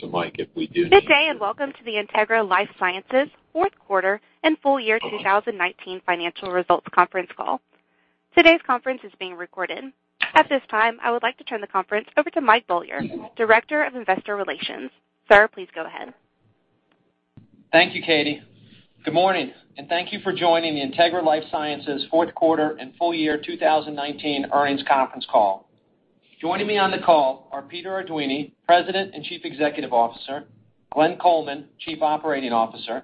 So, Mike, if we do. Good day and welcome to the Integra LifeSciences fourth quarter and full year 2019 financial results conference call. Today's conference is being recorded. At this time, I would like to turn the conference over to Mike Beaulieu, Director of Investor Relations. Sir, please go ahead. Thank you, Katie. Good morning, and thank you for joining the Integra LifeSciences fourth quarter and full year 2019 earnings conference call. Joining me on the call are Peter Arduini, President and Chief Executive Officer, Glenn Coleman, Chief Operating Officer,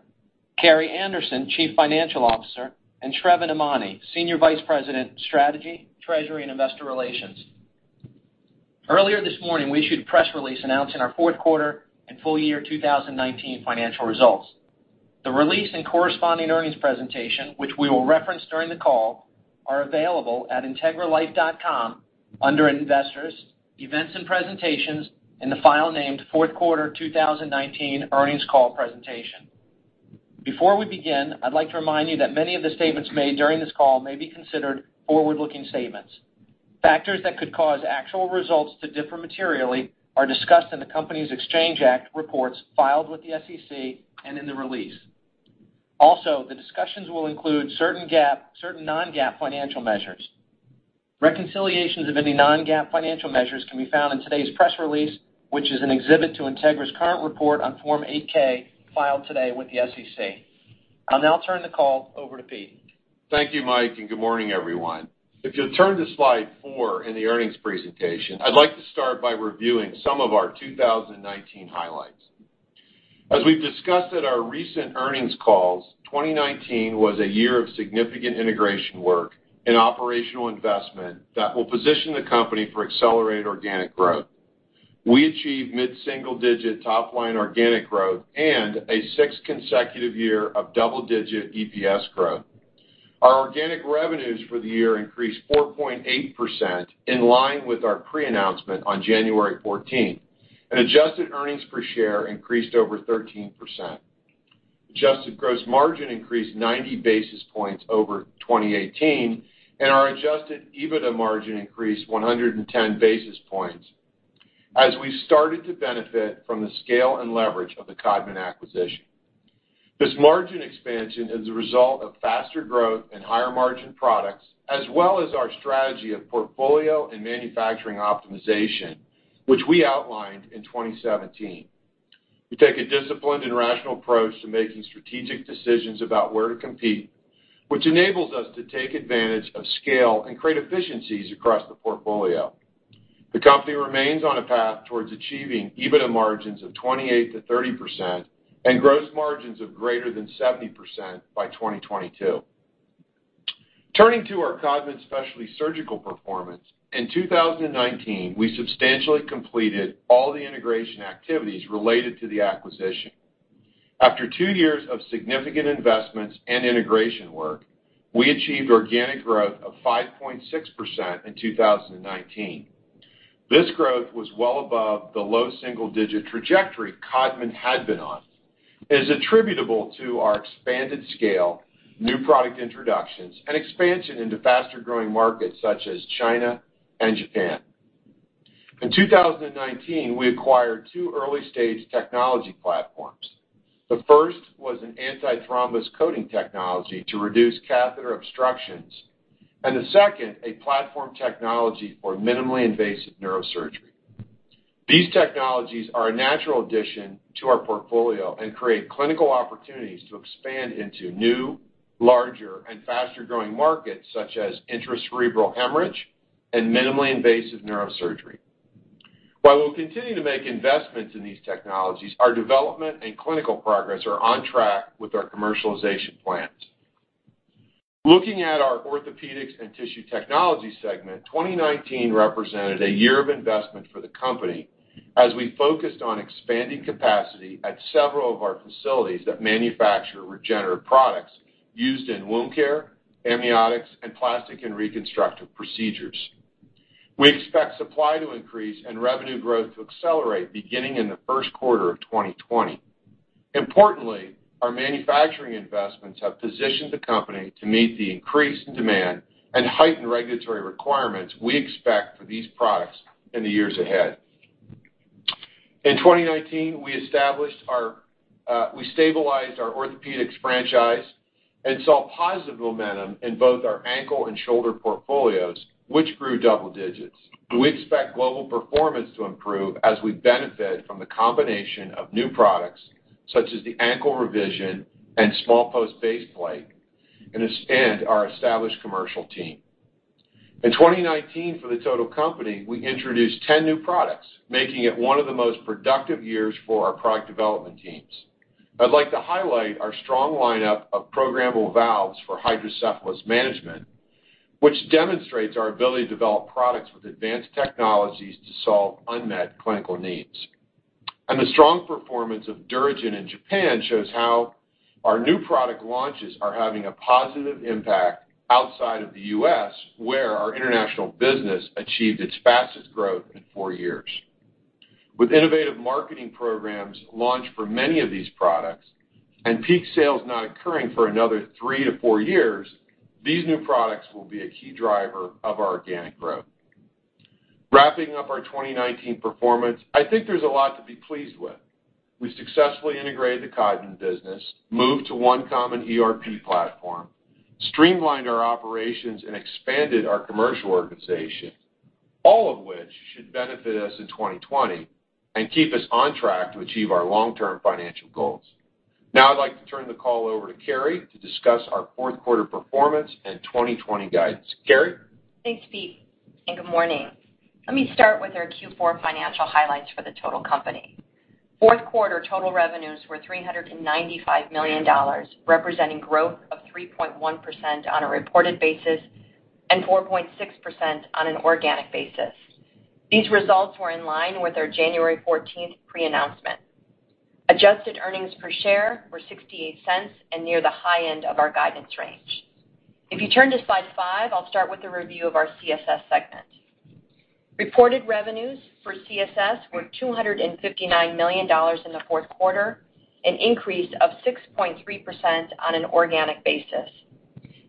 Carrie Anderson, Chief Financial Officer, and Sravan Emany, Senior Vice President, Strategy, Treasury, and Investor Relations. Earlier this morning, we issued a press release announcing our fourth quarter and full year 2019 financial results. The release and corresponding earnings presentation, which we will reference during the call, are available at integralifesciences.com under Investors, Events and Presentations, in the file named Fourth Quarter 2019 Earnings Call Presentation. Before we begin, I'd like to remind you that many of the statements made during this call may be considered forward-looking statements. Factors that could cause actual results to differ materially are discussed in the Company's Exchange Act reports filed with the SEC and in the release. Also, the discussions will include certain non-GAAP financial measures. Reconciliations of any non-GAAP financial measures can be found in today's press release, which is an exhibit to Integra's current report on Form 8-K filed today with the SEC. I'll now turn the call over to Pete. Thank you, Mike, and good morning, everyone. If you'll turn to slide four in the earnings presentation, I'd like to start by reviewing some of our 2019 highlights. As we've discussed at our recent earnings calls, 2019 was a year of significant integration work and operational investment that will position the company for accelerated organic growth. We achieved mid-single-digit top-line organic growth and a sixth consecutive year of double-digit EPS growth. Our organic revenues for the year increased 4.8%, in line with our pre-announcement on January 14th, and adjusted earnings per share increased over 13%. Adjusted gross margin increased 90 basis points over 2018, and our adjusted EBITDA margin increased 110 basis points as we started to benefit from the scale and leverage of the Codman acquisition. This margin expansion is the result of faster growth and higher margin products, as well as our strategy of portfolio and manufacturing optimization, which we outlined in 2017. We take a disciplined and rational approach to making strategic decisions about where to compete, which enables us to take advantage of scale and create efficiencies across the portfolio. The company remains on a path towards achieving EBITDA margins of 28%-30% and gross margins of greater than 70% by 2022. Turning to our Codman Specialty Surgical performance, in 2019, we substantially completed all the integration activities related to the acquisition. After two years of significant investments and integration work, we achieved organic growth of 5.6% in 2019. This growth was well above the low single-digit trajectory Codman had been on. It is attributable to our expanded scale, new product introductions, and expansion into faster-growing markets such as China and Japan. In 2019, we acquired two early-stage technology platforms. The first was an anti-thrombus coating technology to reduce catheter obstructions, and the second, a platform technology for minimally invasive neurosurgery. These technologies are a natural addition to our portfolio and create clinical opportunities to expand into new, larger, and faster-growing markets such as intracerebral hemorrhage and minimally invasive neurosurgery. While we'll continue to make investments in these technologies, our development and clinical progress are on track with our commercialization plans. Looking at our Orthopedics and Tissue Technologies segment, 2019 represented a year of investment for the company as we focused on expanding capacity at several of our facilities that manufacture regenerative products used in wound care, amniotics, and plastic and reconstructive procedures. We expect supply to increase and revenue growth to accelerate beginning in the first quarter of 2020. Importantly, our manufacturing investments have positioned the company to meet the increase in demand and heighten regulatory requirements we expect for these products in the years ahead. In 2019, we stabilized our orthopedics franchise and saw positive momentum in both our ankle and shoulder portfolios, which grew double digits. We expect global performance to improve as we benefit from the combination of new products such as the ankle revision and small post baseplate and our established commercial team. In 2019, for the total company, we introduced 10 new products, making it one of the most productive years for our product development teams. I'd like to highlight our strong lineup of programmable valves for hydrocephalus management, which demonstrates our ability to develop products with advanced technologies to solve unmet clinical needs. And the strong performance of DuraGen in Japan shows how our new product launches are having a positive impact outside of the U.S., where our international business achieved its fastest growth in four years. With innovative marketing programs launched for many of these products and peak sales not occurring for another three to four years, these new products will be a key driver of our organic growth. Wrapping up our 2019 performance, I think there's a lot to be pleased with. We successfully integrated the Codman business, moved to one common ERP platform, streamlined our operations, and expanded our commercial organization, all of which should benefit us in 2020 and keep us on track to achieve our long-term financial goals. Now, I'd like to turn the call over to Carrie to discuss our fourth quarter performance and 2020 guidance. Carrie? Thanks, Pete. And good morning. Let me start with our Q4 financial highlights for the total company. Fourth quarter total revenues were $395 million, representing growth of 3.1% on a reported basis and 4.6% on an organic basis. These results were in line with our January 14th pre-announcement. Adjusted earnings per share were $0.68 and near the high end of our guidance range. If you turn to slide five, I'll start with a review of our CSS segment. Reported revenues for CSS were $259 million in the fourth quarter, an increase of 6.3% on an organic basis.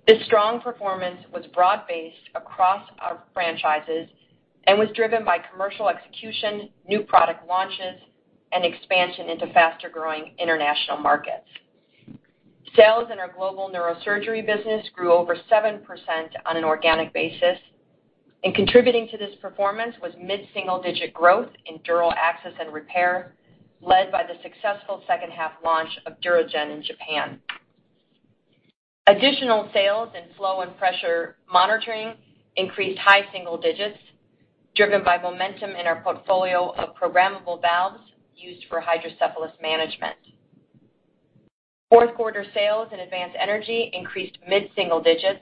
This strong performance was broad-based across our franchises and was driven by commercial execution, new product launches, and expansion into faster-growing international markets. Sales in our global neurosurgery business grew over 7% on an organic basis. Contributing to this performance was mid-single-digit growth in dural access and repair, led by the successful second-half launch of DuraGen in Japan. Sales in flow and pressure monitoring increased high single digits, driven by momentum in our portfolio of programmable valves used for hydrocephalus management. Fourth quarter sales in advanced energy increased mid-single digits.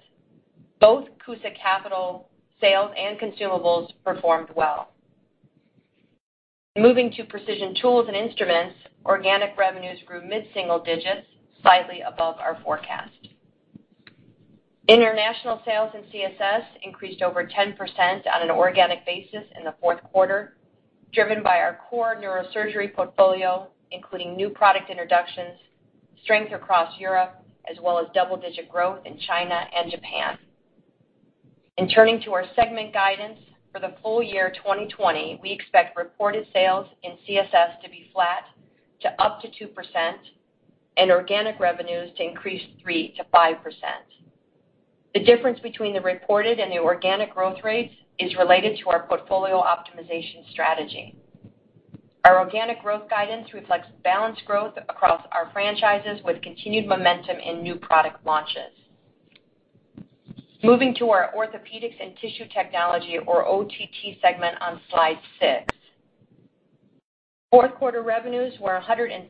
Both CUSA capital sales and consumables performed well. Moving to precision tools and instruments, organic revenues grew mid-single digits, slightly above our forecast. International sales in CSS increased over 10% on an organic basis in the fourth quarter, driven by our core neurosurgery portfolio, including new product introductions, strength across Europe, as well as double-digit growth in China and Japan. Turning to our segment guidance for the full year 2020, we expect reported sales in CSS to be flat to up to 2% and organic revenues to increase 3%-5%. The difference between the reported and the organic growth rates is related to our portfolio optimization strategy. Our organic growth guidance reflects balanced growth across our franchises with continued momentum in new product launches. Moving to our Orthopedics and Tissue Technologies, or OTT, segment on slide six. Fourth quarter revenues were $136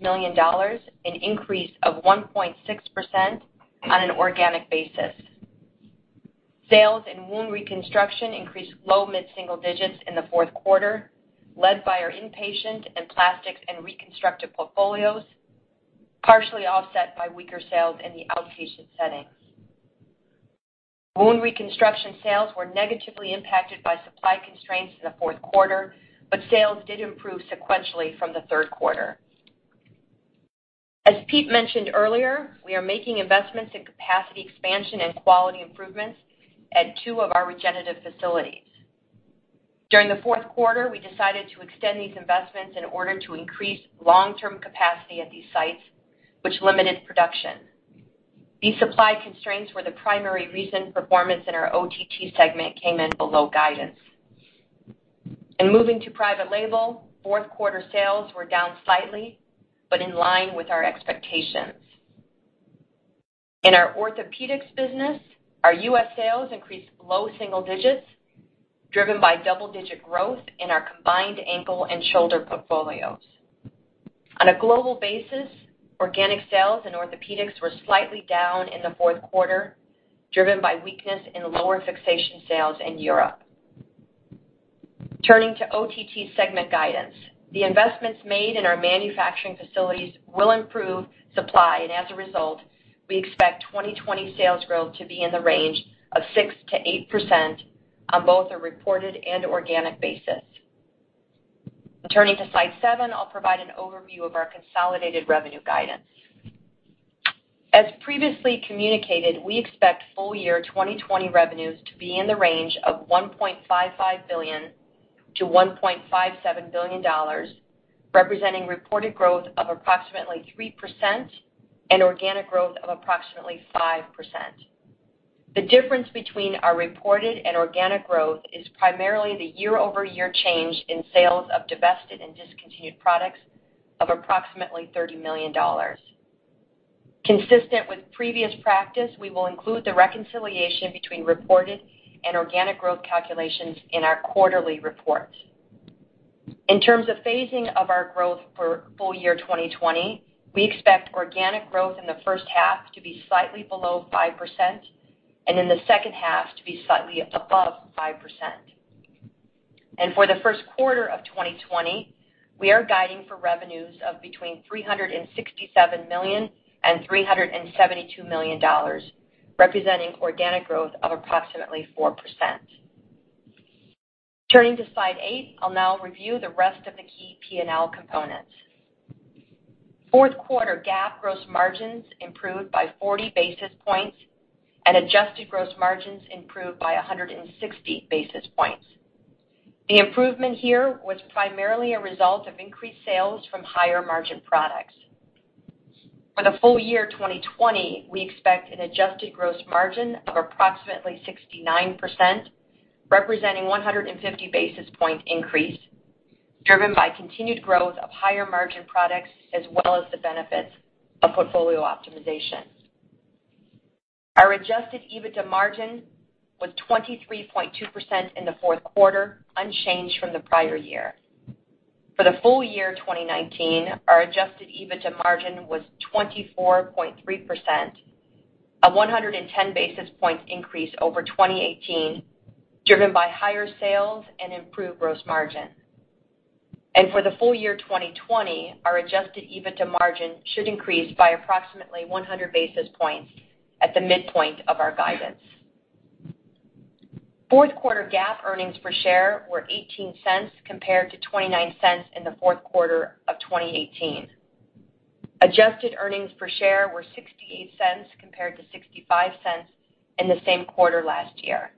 million, an increase of 1.6% on an organic basis. Sales in wound reconstruction increased low mid-single digits in the fourth quarter, led by our inpatient and plastics and reconstructive portfolios, partially offset by weaker sales in the outpatient setting. Wound reconstruction sales were negatively impacted by supply constraints in the fourth quarter, but sales did improve sequentially from the third quarter. As Pete mentioned earlier, we are making investments in capacity expansion and quality improvements at two of our regenerative facilities. During the fourth quarter, we decided to extend these investments in order to increase long-term capacity at these sites, which limited production. These supply constraints were the primary reason performance in our OTT segment came in below guidance. Moving to private label, fourth quarter sales were down slightly, but in line with our expectations. In our orthopedics business, our U.S. sales increased low single digits, driven by double-digit growth in our combined ankle and shoulder portfolios. On a global basis, organic sales in orthopedics were slightly down in the fourth quarter, driven by weakness in lower fixation sales in Europe. Turning to OTT segment guidance, the investments made in our manufacturing facilities will improve supply, and as a result, we expect 2020 sales growth to be in the range of 6%-8% on both a reported and organic basis. Turning to slide seven, I'll provide an overview of our consolidated revenue guidance. As previously communicated, we expect full year 2020 revenues to be in the range of $1.55 billion-$1.57 billion, representing reported growth of approximately 3% and organic growth of approximately 5%. The difference between our reported and organic growth is primarily the year-over-year change in sales of divested and discontinued products of approximately $30 million. Consistent with previous practice, we will include the reconciliation between reported and organic growth calculations in our quarterly reports. In terms of phasing of our growth for full year 2020, we expect organic growth in the first half to be slightly below 5% and in the second half to be slightly above 5%. For the first quarter of 2020, we are guiding for revenues of between $367 million-$372 million, representing organic growth of approximately 4%. Turning to slide eight, I'll now review the rest of the key P&L components. Fourth quarter GAAP gross margins improved by 40 basis points and adjusted gross margins improved by 160 basis points. The improvement here was primarily a result of increased sales from higher margin products. For the full year 2020, we expect an adjusted gross margin of approximately 69%, representing a 150 basis point increase, driven by continued growth of higher margin products as well as the benefits of portfolio optimization. Our adjusted EBITDA margin was 23.2% in the fourth quarter, unchanged from the prior year. For the full year 2019, our adjusted EBITDA margin was 24.3%, a 110 basis point increase over 2018, driven by higher sales and improved gross margin, and for the full year 2020, our adjusted EBITDA margin should increase by approximately 100 basis points at the midpoint of our guidance. Fourth quarter GAAP earnings per share were $0.18 compared to $0.29 in the fourth quarter of 2018. Adjusted earnings per share were $0.68 compared to $0.65 in the same quarter last year.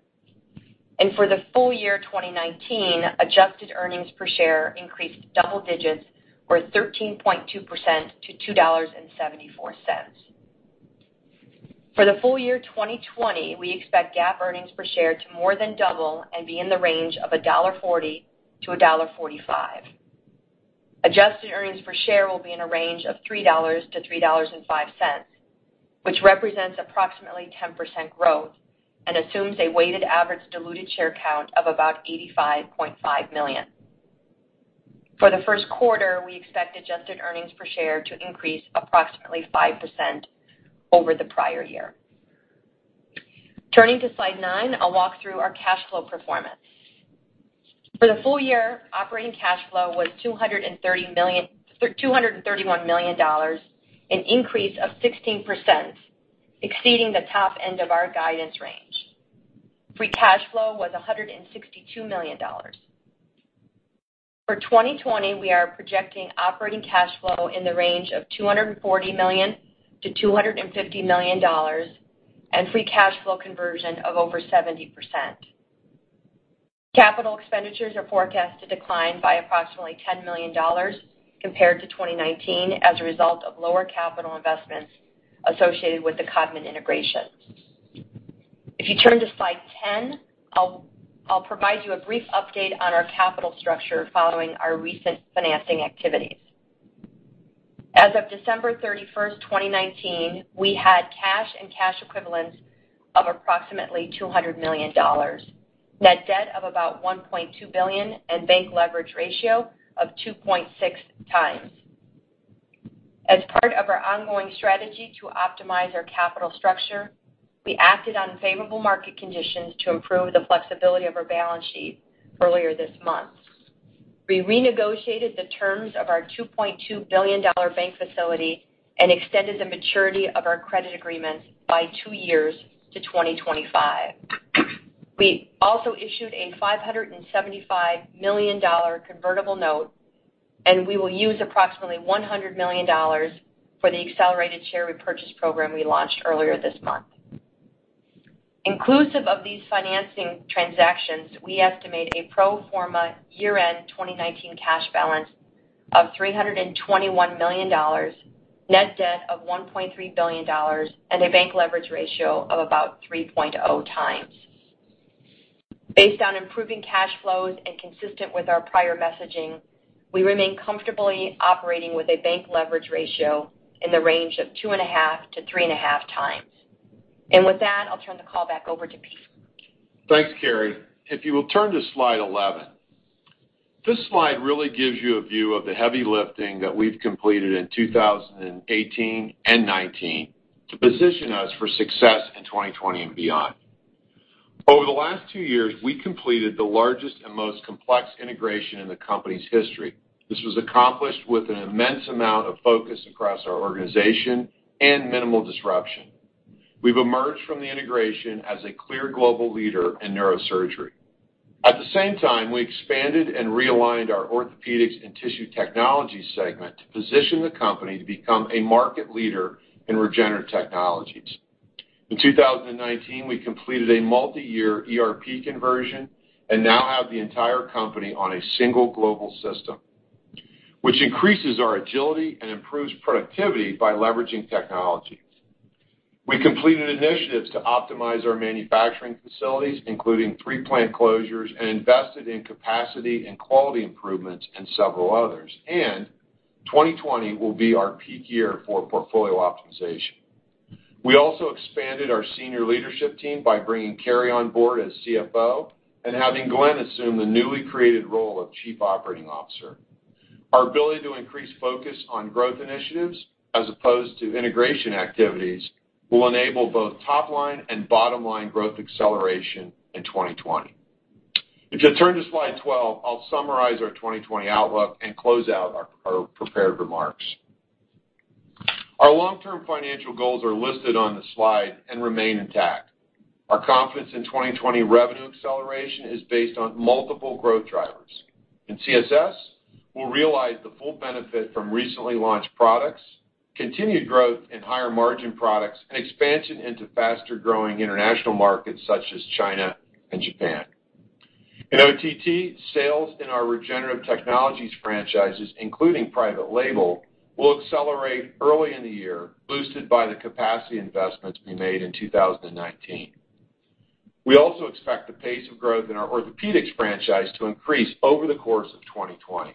And for the full year 2019, adjusted earnings per share increased double digits or 13.2% to $2.74. For the full year 2020, we expect GAAP earnings per share to more than double and be in the range of $1.40-$1.45. Adjusted earnings per share will be in a range of $3-$3.05, which represents approximately 10% growth and assumes a weighted average diluted share count of about 85.5 million. For the first quarter, we expect adjusted earnings per share to increase approximately 5% over the prior year. Turning to slide nine, I'll walk through our cash flow performance. For the full year, operating cash flow was $231 million, an increase of 16%, exceeding the top end of our guidance range. Free cash flow was $162 million. For 2020, we are projecting operating cash flow in the range of $240 million-$250 million and free cash flow conversion of over 70%. Capital expenditures are forecast to decline by approximately $10 million compared to 2019 as a result of lower capital investments associated with the Codman integration. If you turn to slide 10, I'll provide you a brief update on our capital structure following our recent financing activities. As of December 31st, 2019, we had cash and cash equivalents of approximately $200 million, net debt of about $1.2 billion, and bank leverage ratio of 2.6 times. As part of our ongoing strategy to optimize our capital structure, we acted on favorable market conditions to improve the flexibility of our balance sheet earlier this month. We renegotiated the terms of our $2.2 billion bank facility and extended the maturity of our credit agreements by two years to 2025. We also issued a $575 million convertible note, and we will use approximately $100 million for the accelerated share repurchase program we launched earlier this month. Inclusive of these financing transactions, we estimate a pro forma year-end 2019 cash balance of $321 million, net debt of $1.3 billion, and a bank leverage ratio of about 3.0 x. Based on improving cash flows and consistent with our prior messaging, we remain comfortably operating with a bank leverage ratio in the range of two and a half to three and a half times. With that, I'll turn the call back over to Pete. Thanks, Carrie. If you will turn to slide 11. This slide really gives you a view of the heavy lifting that we've completed in 2018 and 2019 to position us for success in 2020 and beyond. Over the last two years, we completed the largest and most complex integration in the company's history. This was accomplished with an immense amount of focus across our organization and minimal disruption. We've emerged from the integration as a clear global leader in neurosurgery. At the same time, we expanded and realigned our orthopedics and tissue technology segment to position the company to become a market leader in regenerative technologies. In 2019, we completed a multi-year ERP conversion and now have the entire company on a single global system, which increases our agility and improves productivity by leveraging technology. We completed initiatives to optimize our manufacturing facilities, including three plant closures, and invested in capacity and quality improvements and several others. And 2020 will be our peak year for portfolio optimization. We also expanded our senior leadership team by bringing Carrie on board as CFO and having Glenn assume the newly created role of Chief Operating Officer. Our ability to increase focus on growth initiatives as opposed to integration activities will enable both top-line and bottom-line growth acceleration in 2020. If you turn to slide 12, I'll summarize our 2020 outlook and close out our prepared remarks. Our long-term financial goals are listed on the slide and remain intact. Our confidence in 2020 revenue acceleration is based on multiple growth drivers. In CSS, we'll realize the full benefit from recently launched products, continued growth in higher margin products, and expansion into faster-growing international markets such as China and Japan. In OTT, sales in our regenerative technologies franchises, including private label, will accelerate early in the year, boosted by the capacity investments we made in 2019. We also expect the pace of growth in our orthopedics franchise to increase over the course of 2020.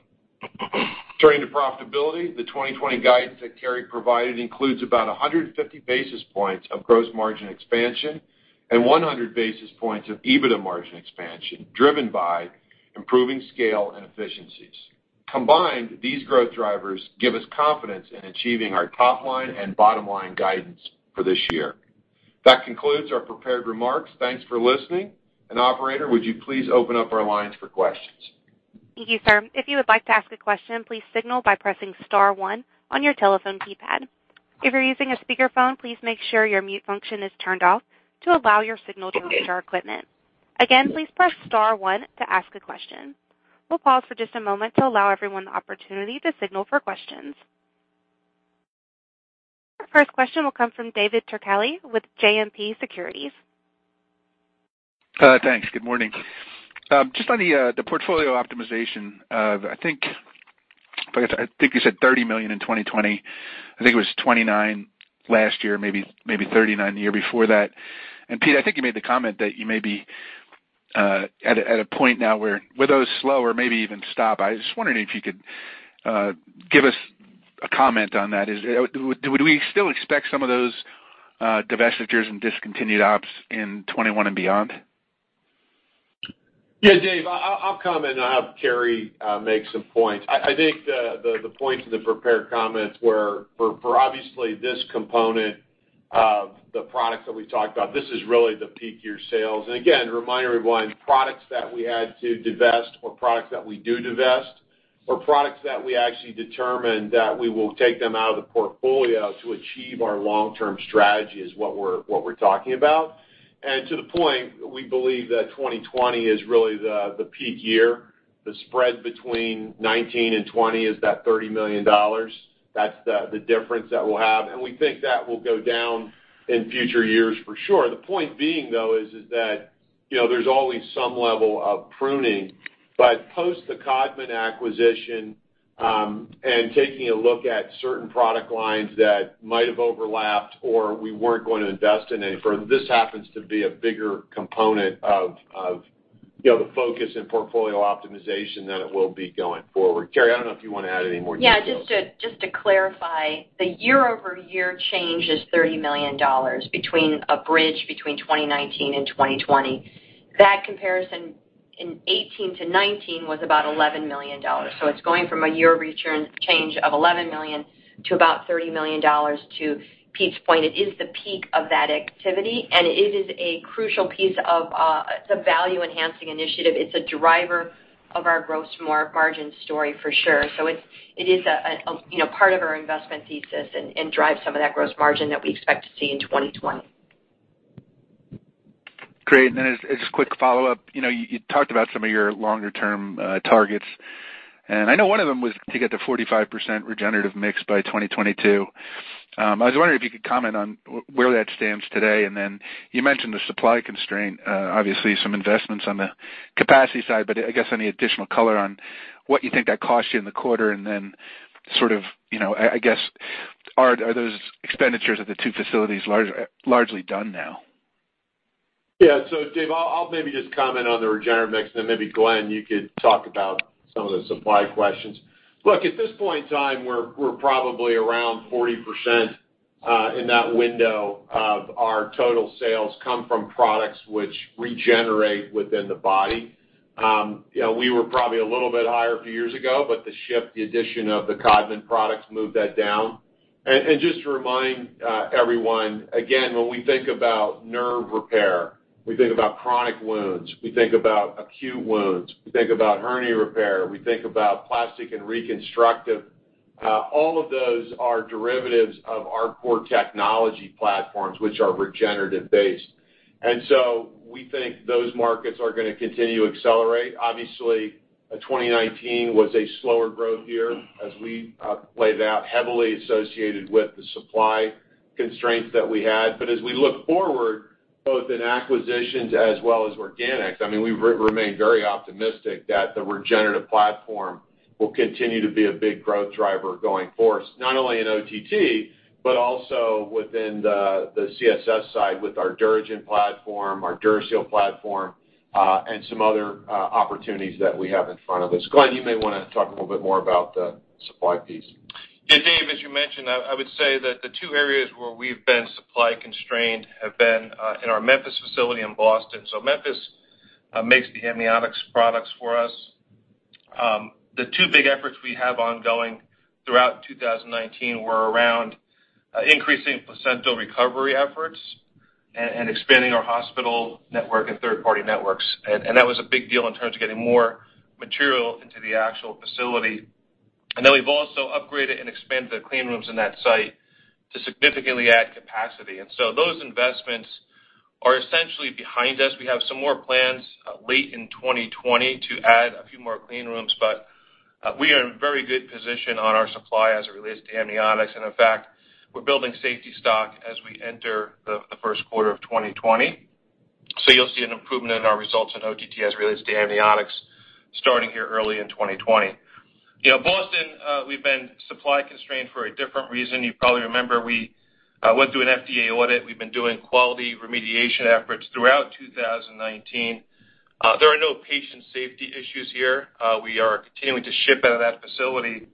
Turning to profitability, the 2020 guidance that Carrie provided includes about 150 basis points of gross margin expansion and 100 basis points of EBITDA margin expansion, driven by improving scale and efficiencies. Combined, these growth drivers give us confidence in achieving our top-line and bottom-line guidance for this year. That concludes our prepared remarks. Thanks for listening. And operator, would you please open up our lines for questions? Thank you, sir. If you would like to ask a question, please signal by pressing Star 1 on your telephone keypad. If you're using a speakerphone, please make sure your mute function is turned off to allow your signal to reach our equipment. Again, please press Star 1 to ask a question. We'll pause for just a moment to allow everyone the opportunity to signal for questions. Our first question will come from David Turkaly with JMP Securities. Thanks. Good morning. Just on the portfolio optimization, I think you said $30 million in 2020. I think it was $29 million last year, maybe $39 million the year before that. And Pete, I think you made the comment that you may be at a point now where those slow or maybe even stop. I was just wondering if you could give us a comment on that. Would we still expect some of those divestitures and discontinued ops in 2021 and beyond? Yeah, Dave, I'll comment and I'll have Carrie make some points. I think the points in the prepared comments were, for obviously this component of the products that we've talked about, this is really the peak year sales. And again, reminder everyone, products that we had to divest or products that we do divest or products that we actually determine that we will take them out of the portfolio to achieve our long-term strategy is what we're talking about. And to the point, we believe that 2020 is really the peak year. The spread between 2019 and 2020 is that $30 million. That's the difference that we'll have. And we think that will go down in future years for sure. The point being, though, is that there's always some level of pruning. But post the Codman acquisition and taking a look at certain product lines that might have overlapped or we weren't going to invest in any further, this happens to be a bigger component of the focus in portfolio optimization than it will be going forward. Carrie, I don't know if you want to add any more detail? Yeah, just to clarify, the year-over-year change is $30 million bridging between 2019 and 2020. That comparison in 2018-2019 was about $11 million. It's going from a year-over-year change of $11 million to about $30 million. To Pete's point, it is the peak of that activity, and it is a crucial piece of the value-enhancing initiative. It's a driver of our gross margin story for sure. It is part of our investment thesis and drives some of that gross margin that we expect to see in 2020. Great. And then as a quick follow-up, you talked about some of your longer-term targets. And I know one of them was to get to 45% regenerative mix by 2022. I was wondering if you could comment on where that stands today. And then you mentioned the supply constraint, obviously some investments on the capacity side, but I guess any additional color on what you think that cost you in the quarter. And then sort of, I guess, are those expenditures at the two facilities largely done now? Yeah. So Dave, I'll maybe just comment on the regenerative mix. And then maybe Glenn, you could talk about some of the supply questions. Look, at this point in time, we're probably around 40% in that window of our total sales come from products which regenerate within the body. We were probably a little bit higher a few years ago, but the shift, the addition of the Codman products moved that down. And just to remind everyone, again, when we think about nerve repair, we think about chronic wounds, we think about acute wounds, we think about hernia repair, we think about plastic and reconstructive. All of those are derivatives of our core technology platforms, which are regenerative-based. And so we think those markets are going to continue to accelerate. Obviously, 2019 was a slower growth year as we played out heavily associated with the supply constraints that we had. But as we look forward, both in acquisitions as well as organics, I mean, we remain very optimistic that the regenerative platform will continue to be a big growth driver going forward, not only in OTT, but also within the CSS side with our DuraGen platform, our DuraSeal platform, and some other opportunities that we have in front of us. Glenn, you may want to talk a little bit more about the supply piece. Yeah, Dave, as you mentioned, I would say that the two areas where we've been supply constrained have been in our Memphis facility in Boston. So Memphis makes the amniotics products for us. The two big efforts we have ongoing throughout 2019 were around increasing placental recovery efforts and expanding our hospital network and third-party networks. And that was a big deal in terms of getting more material into the actual facility. And then we've also upgraded and expanded the clean rooms in that site to significantly add capacity, and so those investments are essentially behind us. We have some more plans late in 2020 to add a few more clean rooms, but we are in very good position on our supply as it relates to amniotics, and in fact, we're building safety stock as we enter the first quarter of 2020, so you'll see an improvement in our results in OTT as it relates to amniotics starting here early in 2020. Boston, we've been supply constrained for a different reason. You probably remember we went through an FDA audit. We've been doing quality remediation efforts throughout 2019. There are no patient safety issues here. We are continuing to ship out of that facility,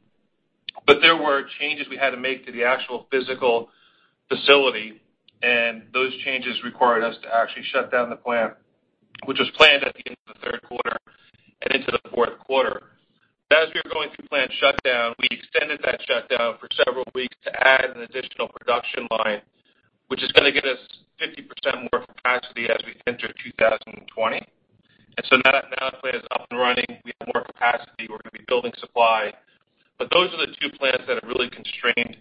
but there were changes we had to make to the actual physical facility. And those changes required us to actually shut down the plant, which was planned at the end of the third quarter and into the fourth quarter. As we were going through plant shutdown, we extended that shutdown for several weeks to add an additional production line, which is going to get us 50% more capacity as we enter 2020. And so now the plant is up and running. We have more capacity. We're going to be building supply. But those are the two plants that have really constrained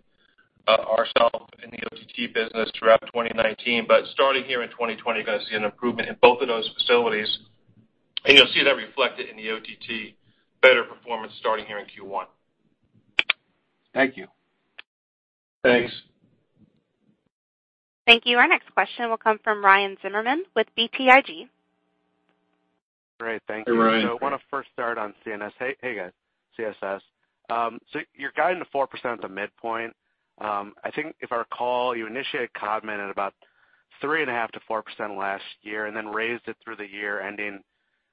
ourselves in the OTT business throughout 2019. But starting here in 2020, you're going to see an improvement in both of those facilities. And you'll see that reflected in the OTT, better performance starting here in Q1. Thank you. Thanks. Thank you. Our next question will come from Ryan Zimmerman with BTIG. Great. Thank you. So I want to first start on CNS. Hey, guys, CSS. So you're guiding to 4% at the midpoint. I think if I recall, you initiated Codman at about 3.5%-4% last year and then raised it through the year, ending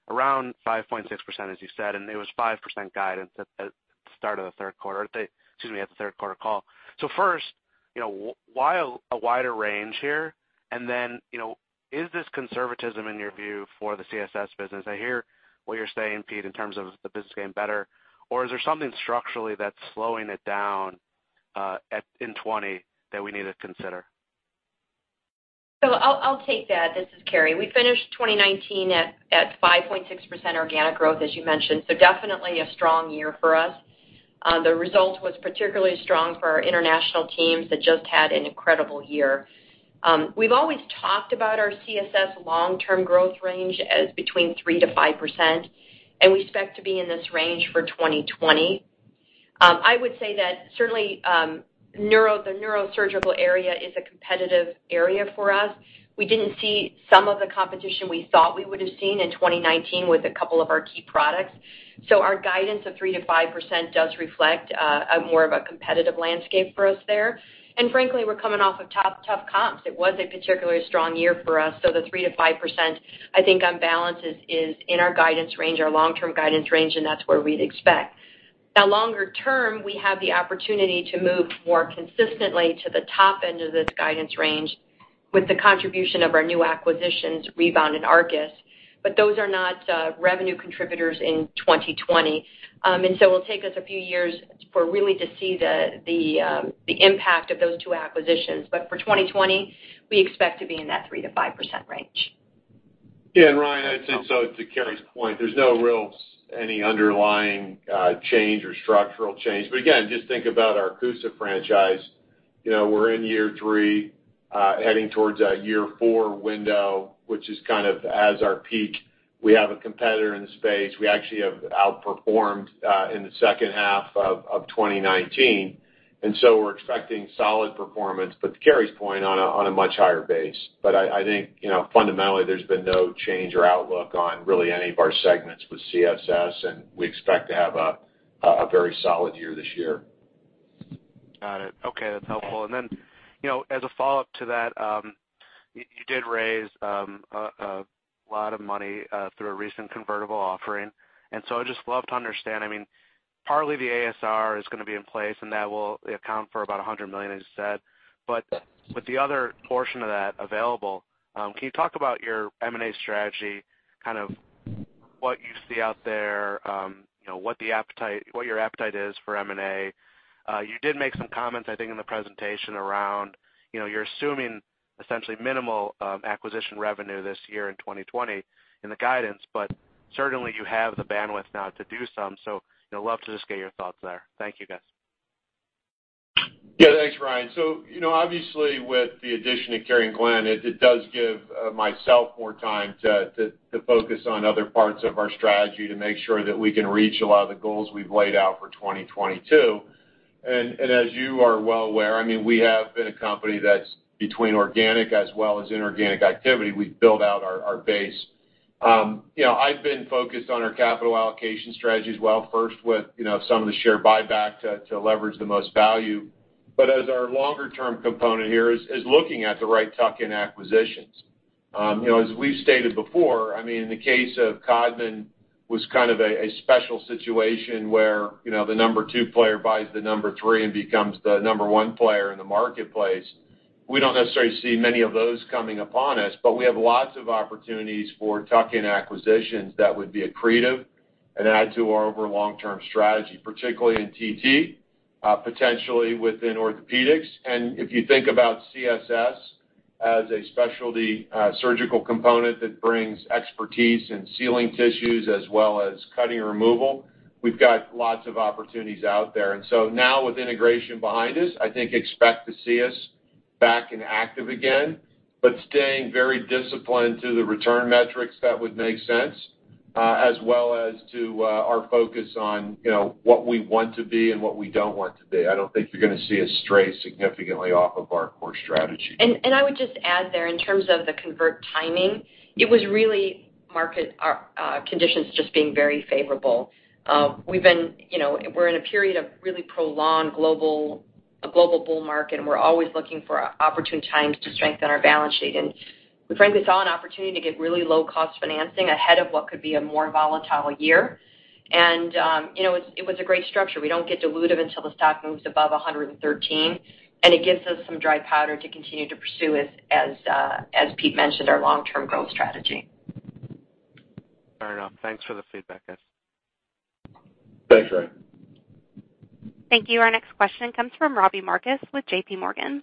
around 5.6%, as you said. And it was 5% guidance at the start of the third quarter or, excuse me, at the third quarter call. So first, why a wider range here? And then is this conservatism, in your view, for the CSS business? I hear what you're saying, Pete, in terms of the business getting better. Or is there something structurally that's slowing it down in 2020 that we need to consider? So I'll take that. This is Carrie. We finished 2019 at 5.6% organic growth, as you mentioned. So definitely a strong year for us. The result was particularly strong for our international teams that just had an incredible year. We've always talked about our CSS long-term growth range as between 3%-5%. And we expect to be in this range for 2020. I would say that certainly the neurosurgical area is a competitive area for us. We didn't see some of the competition we thought we would have seen in 2019 with a couple of our key products. So our guidance of 3%-5% does reflect more of a competitive landscape for us there. And frankly, we're coming off of tough comps. It was a particularly strong year for us. So the 3%-5%, I think, on balance is in our guidance range, our long-term guidance range, and that's where we'd expect. Now, longer term, we have the opportunity to move more consistently to the top end of this guidance range with the contribution of our new acquisitions, Rebound and Arkis But those are not revenue contributors in 2020. And so it'll take us a few years for really to see the impact of those two acquisitions. But for 2020, we expect to be in that 3%-5% range. Yeah. And Ryan, I'd say, so to Carrie's point, there's no really any underlying change or structural change. But again, just think about our CUSA franchise. We're in year three, heading towards a year four window, which is kind of our peak. We have a competitor in the space. We actually have outperformed in the second half of 2019. And so we're expecting solid performance, but to Carrie's point, on a much higher base. But I think fundamentally, there's been no change or outlook on really any of our segments with CSS. And we expect to have a very solid year this year. Got it. Okay. That's helpful. And then as a follow-up to that, you did raise a lot of money through a recent convertible offering. And so I'd just love to understand. I mean, partly the ASR is going to be in place, and that will account for about $100 million, as you said. But with the other portion of that available, can you talk about your M&A strategy, kind of what you see out there, what your appetite is for M&A? You did make some comments, I think, in the presentation around you're assuming essentially minimal acquisition revenue this year in 2020 in the guidance, but certainly you have the bandwidth now to do some. So I'd love to just get your thoughts there. Thank you, guys. Yeah. Thanks, Ryan. So obviously, with the addition of Carrie and Glenn, it does give myself more time to focus on other parts of our strategy to make sure that we can reach a lot of the goals we've laid out for 2022. And as you are well aware, I mean, we have been a company that's between organic as well as inorganic activity. We've built out our base. I've been focused on our capital allocation strategy as well, first with some of the share buyback to leverage the most value. But as our longer-term component here is looking at the right tuck-in acquisitions. As we've stated before, I mean, in the case of Codman, was kind of a special situation where the number two player buys the number three and becomes the number one player in the marketplace. We don't necessarily see many of those coming upon us, but we have lots of opportunities for tuck-in acquisitions that would be accretive and add to our overall long-term strategy, particularly in TT, potentially within orthopedics. And if you think about CSS as a specialty surgical component that brings expertise in sealing tissues as well as cutting removal, we've got lots of opportunities out there. And so now with integration behind us, I think expect to see us back and active again, but staying very disciplined to the return metrics that would make sense, as well as to our focus on what we want to be and what we don't want to be. I don't think you're going to see us stray significantly off of our core strategy. And I would just add there, in terms of the convert timing, it was really market conditions just being very favorable. We're in a period of really prolonged global bull market, and we're always looking for opportune times to strengthen our balance sheet. And we frankly saw an opportunity to get really low-cost financing ahead of what could be a more volatile year. And it was a great structure. We don't get diluted until the stock moves above 113. And it gives us some dry powder to continue to pursue, as Pete mentioned, our long-term growth strategy. Fair enough. Thanks for the feedback, guys. Thanks, Ryan. Thank you. Our next question comes from Robbie Marcus with JPMorgan.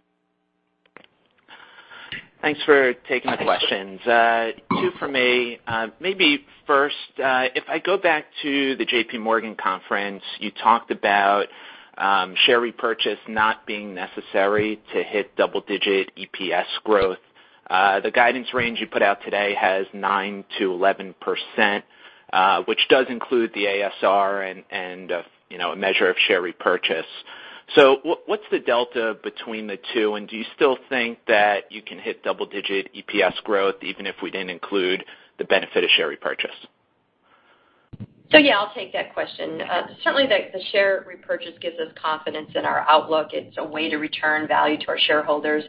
Thanks for taking the questions. Two for me. Maybe first, if I go back to the JPMorgan conference, you talked about share repurchase not being necessary to hit double-digit EPS growth. The guidance range you put out today has 9%-11%, which does include the ASR and a measure of share repurchase. So what's the delta between the two? And do you still think that you can hit double-digit EPS growth even if we didn't include the benefit of share repurchase? Yeah, I'll take that question. Certainly, the share repurchase gives us confidence in our outlook. It's a way to return value to our shareholders.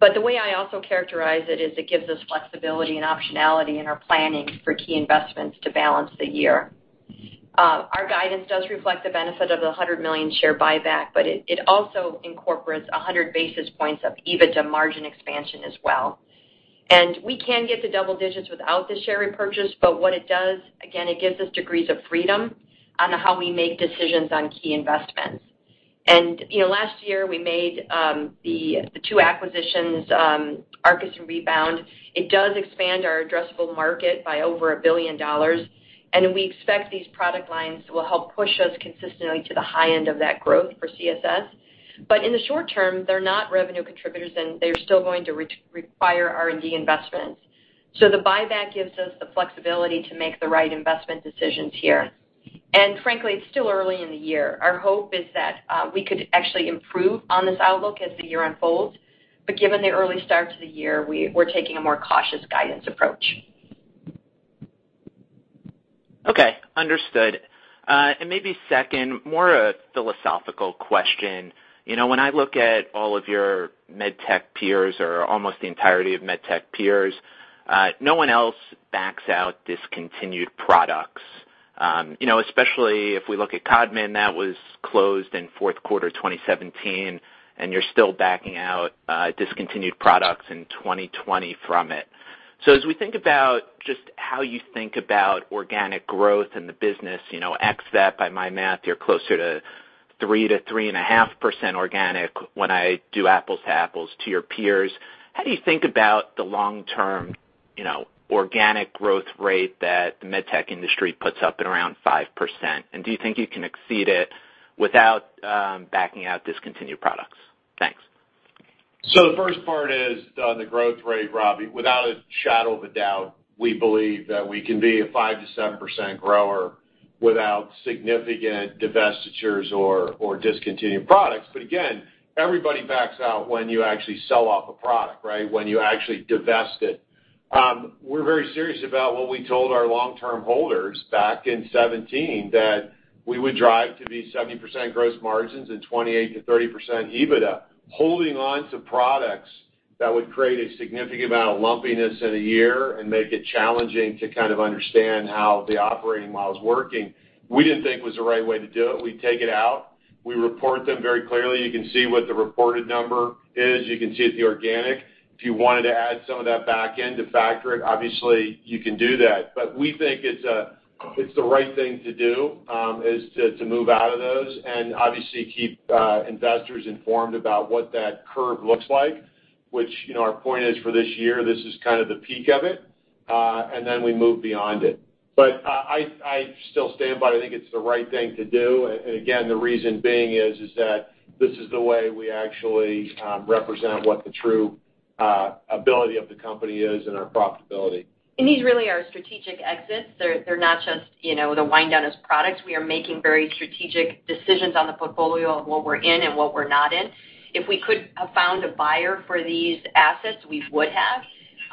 But the way I also characterize it is it gives us flexibility and optionality in our planning for key investments to balance the year. Our guidance does reflect the benefit of the $100 million share buyback, but it also incorporates 100 basis points of EBITDA margin expansion as well. And we can get to double digits without the share repurchase, but what it does, again, it gives us degrees of freedom on how we make decisions on key investments. And last year, we made the two acquisitions, Arkis and Rebound. It does expand our addressable market by over $1 billion. And we expect these product lines will help push us consistently to the high end of that growth for CSS. But in the short term, they're not revenue contributors, and they're still going to require R&D investments. So the buyback gives us the flexibility to make the right investment decisions here. And frankly, it's still early in the year. Our hope is that we could actually improve on this outlook as the year unfolds. But given the early start to the year, we're taking a more cautious guidance approach. Okay. Understood. And maybe second, more of a philosophical question. When I look at all of your med tech peers or almost the entirety of med tech peers, no one else backs out discontinued products. Especially if we look at Codman, that was closed in fourth quarter 2017, and you're still backing out discontinued products in 2020 from it. So as we think about just how you think about organic growth in the business, ex vet, by my math, you're closer to 3%-3.5% organic when I do apples to apples to your peers. How do you think about the long-term organic growth rate that the med tech industry puts up at around 5%? And do you think you can exceed it without backing out discontinued products? Thanks. So the first part is on the growth rate, Robbie. Without a shadow of a doubt, we believe that we can be a 5%-7% grower without significant divestitures or discontinued products. But again, everybody backs out when you actually sell off a product, right? When you actually divest it. We're very serious about what we told our long-term holders back in 2017, that we would drive to be 70% gross margins and 28%-30% EBITDA, holding on to products that would create a significant amount of lumpiness in a year and make it challenging to kind of understand how the operating model is working. We didn't think it was the right way to do it. We take it out. We report them very clearly. You can see what the reported number is. You can see it's the organic. If you wanted to add some of that back in to factor it, obviously, you can do that, but we think it's the right thing to do is to move out of those and obviously keep investors informed about what that curve looks like, which, our point is, for this year this is kind of the peak of it, and then we move beyond it, but I still stand by it. I think it's the right thing to do, and again, the reason being is that this is the way we actually represent what the true ability of the company is and our profitability. These really are strategic exits. They're not just the wind down as products. We are making very strategic decisions on the portfolio of what we're in and what we're not in. If we could have found a buyer for these assets, we would have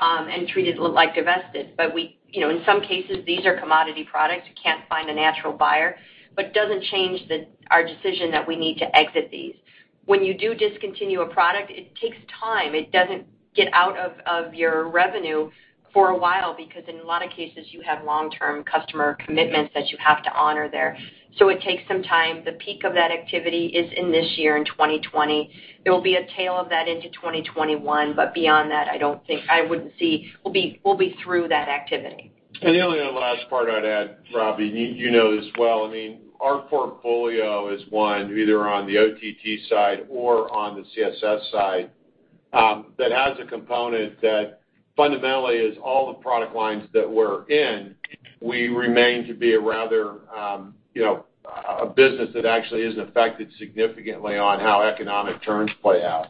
and treated it like divested. But in some cases, these are commodity products. You can't find a natural buyer. But it doesn't change our decision that we need to exit these. When you do discontinue a product, it takes time. It doesn't get out of your revenue for a while because in a lot of cases, you have long-term customer commitments that you have to honor there. So it takes some time. The peak of that activity is in this year, in 2020. There will be a tail of that into 2021. But beyond that, I don't think I wouldn't see we'll be through that activity. The only other last part I'd add, Robbie, you know this well. I mean, our portfolio is one either on the OTT side or on the CSS side that has a component that fundamentally is all the product lines that we're in. We remain to be a rather business that actually isn't affected significantly on how economic terms play out.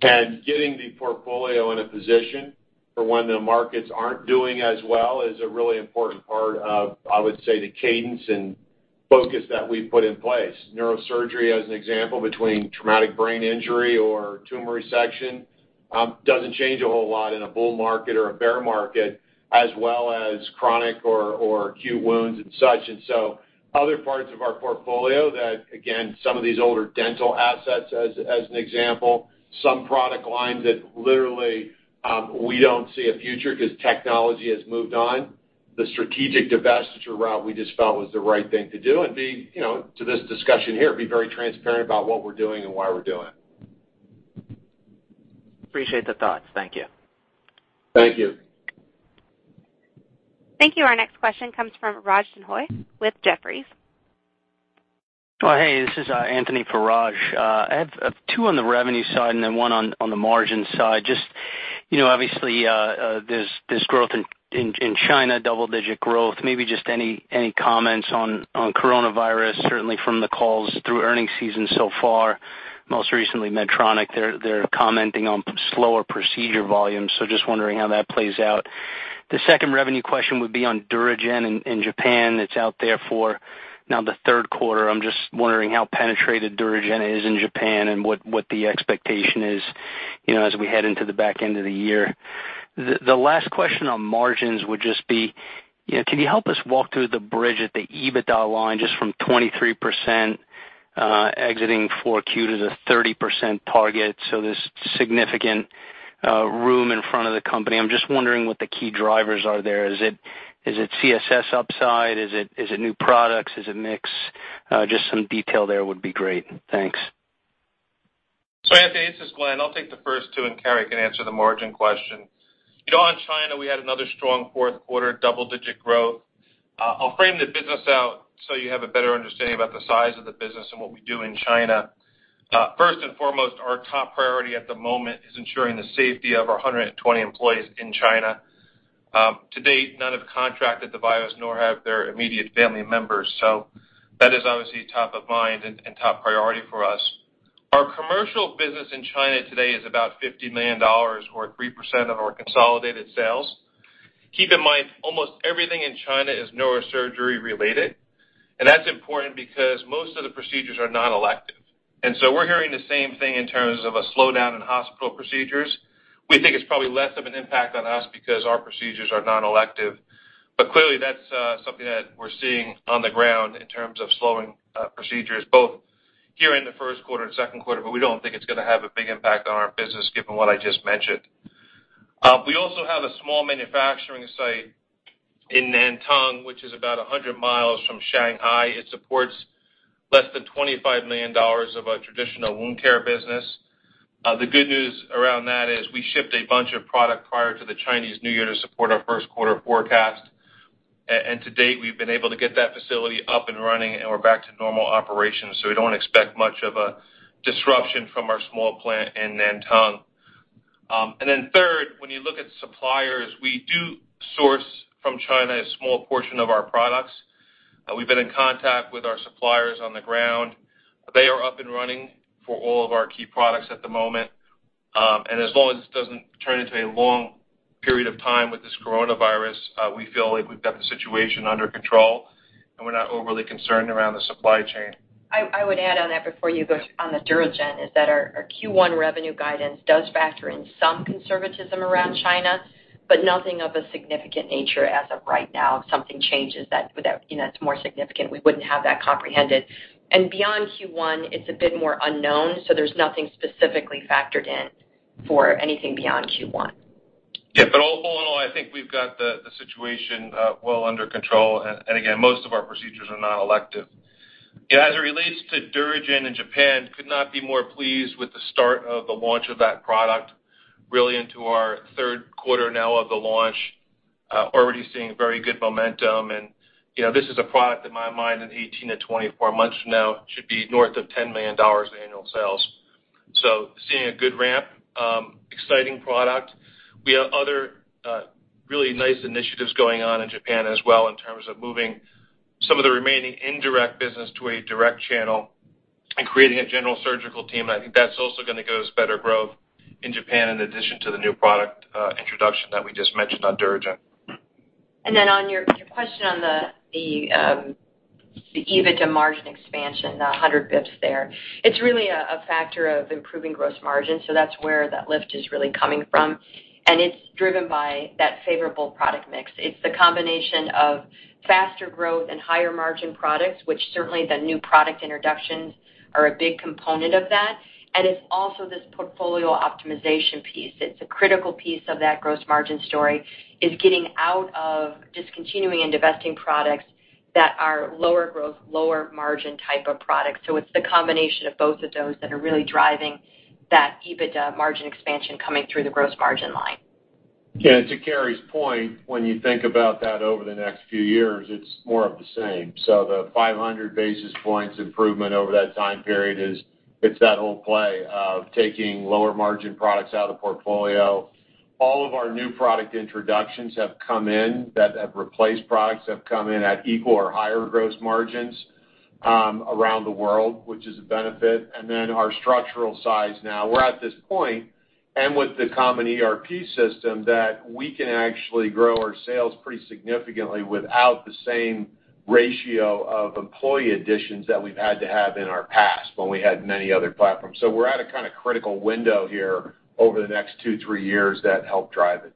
Getting the portfolio in a position for when the markets aren't doing as well is a really important part of, I would say, the cadence and focus that we've put in place. Neurosurgery, as an example, between traumatic brain injury or tumor resection, doesn't change a whole lot in a bull market or a bear market, as well as chronic or acute wounds and such. Other parts of our portfolio that, again, some of these older dental assets, as an example, some product lines that literally we don't see a future because technology has moved on. The strategic divestiture route we just felt was the right thing to do and, to this discussion here, be very transparent about what we're doing and why we're doing it. Appreciate the thoughts. Thank you. Thank you. Thank you. Our next question comes from Raj Denhoy with Jefferies. Well, hey, this is Anthony for Raj. I have two on the revenue side and then one on the margin side. Just obviously, there's growth in China, double-digit growth. Maybe just any comments on coronavirus, certainly from the calls through earnings season so far. Most recently, Medtronic, they're commenting on slower procedure volumes. So just wondering how that plays out. The second revenue question would be on DuraGen in Japan. It's out there for now the third quarter. I'm just wondering how penetrated DuraGen is in Japan and what the expectation is as we head into the back end of the year? The last question on margins would just be, can you help us walk through the bridge at the EBITDA line just from 23% exiting 4Q to the 30% target? So there's significant room in front of the company. I'm just wondering what the key drivers are there. Is it CSS upside? Is it new products? Is it mix? Just some detail there would be great. Thanks. So Anthony, this is Glenn. I'll take the first two and Carrie can answer the margin question. On China, we had another strong fourth quarter double-digit growth. I'll frame the business out so you have a better understanding about the size of the business and what we do in China. First and foremost, our top priority at the moment is ensuring the safety of our 120 employees in China. To date, none have contracted the virus nor have their immediate family members. So that is obviously top of mind and top priority for us. Our commercial business in China today is about $50 million or 3% of our consolidated sales. Keep in mind, almost everything in China is neurosurgery related, and that's important because most of the procedures are non-elective, and so we're hearing the same thing in terms of a slowdown in hospital procedures. We think it's probably less of an impact on us because our procedures are non-elective. But clearly, that's something that we're seeing on the ground in terms of slowing procedures, both here in the first quarter and second quarter, but we don't think it's going to have a big impact on our business given what I just mentioned. We also have a small manufacturing site in Nantong, which is about 100 miles from Shanghai. It supports less than $25 million of a traditional wound care business. The good news around that is we shipped a bunch of product prior to the Chinese New Year to support our first quarter forecast. And to date, we've been able to get that facility up and running, and we're back to normal operations. So we don't expect much of a disruption from our small plant in Nantong. And then third, when you look at suppliers, we do source from China a small portion of our products. We've been in contact with our suppliers on the ground. They are up and running for all of our key products at the moment. And as long as this doesn't turn into a long period of time with this coronavirus, we feel like we've got the situation under control, and we're not overly concerned around the supply chain. I would add on that before you go on the DuraGen, is that our Q1 revenue guidance does factor in some conservatism around China, but nothing of a significant nature as of right now. If something changes that's more significant, we wouldn't have that comprehended. And beyond Q1, it's a bit more unknown. So there's nothing specifically factored in for anything beyond Q1. Yeah. But all in all, I think we've got the situation well under control. And again, most of our procedures are non-elective. As it relates to DuraGen in Japan, could not be more pleased with the start of the launch of that product, really into our third quarter now of the launch, already seeing very good momentum. And this is a product in my mind in 18-24 months from now should be north of $10 million annual sales. So seeing a good ramp, exciting product. We have other really nice initiatives going on in Japan as well in terms of moving some of the remaining indirect business to a direct channel and creating a general surgical team. And I think that's also going to give us better growth in Japan in addition to the new product introduction that we just mentioned on DuraGen. And then on your question on the EBITDA margin expansion, the 100 basis points there, it's really a factor of improving gross margin. So that's where that lift is really coming from. And it's driven by that favorable product mix. It's the combination of faster growth and higher margin products, which certainly the new product introductions are a big component of that. And it's also this portfolio optimization piece. It's a critical piece of that gross margin story, is getting out of discontinuing and divesting products that are lower growth, lower margin type of products. So it's the combination of both of those that are really driving that EBITDA margin expansion coming through the gross margin line. Yeah. To Carrie's point, when you think about that over the next few years, it's more of the same. So the 500 basis points improvement over that time period is it's that whole play of taking lower margin products out of the portfolio. All of our new product introductions have come in that have replaced products have come in at equal or higher gross margins around the world, which is a benefit. And then our structural size now, we're at this point and with the common ERP system that we can actually grow our sales pretty significantly without the same ratio of employee additions that we've had to have in our past when we had many other platforms. So we're at a kind of critical window here over the next two, three years that help drive it.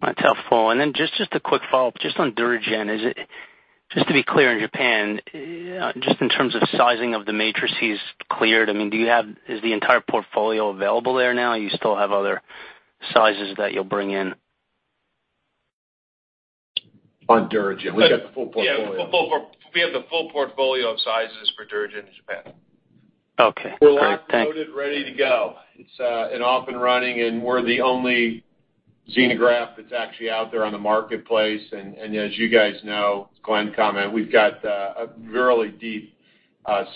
That's helpful. And then just a quick follow-up, just on DuraGen, just to be clear in Japan, just in terms of sizing of the matrices cleared, I mean, do you have? Is the entire portfolio available there now? You still have other sizes that you'll bring in? On DuraGen, we've got the full portfolio. Yeah. We have the full portfolio of sizes for DuraGen in Japan. Okay. Great. Thanks. We're loaded, ready to go. It's off and running, and we're the only xenograft that's actually out there on the marketplace. And as you guys know, Glenn commented, we've got a really deep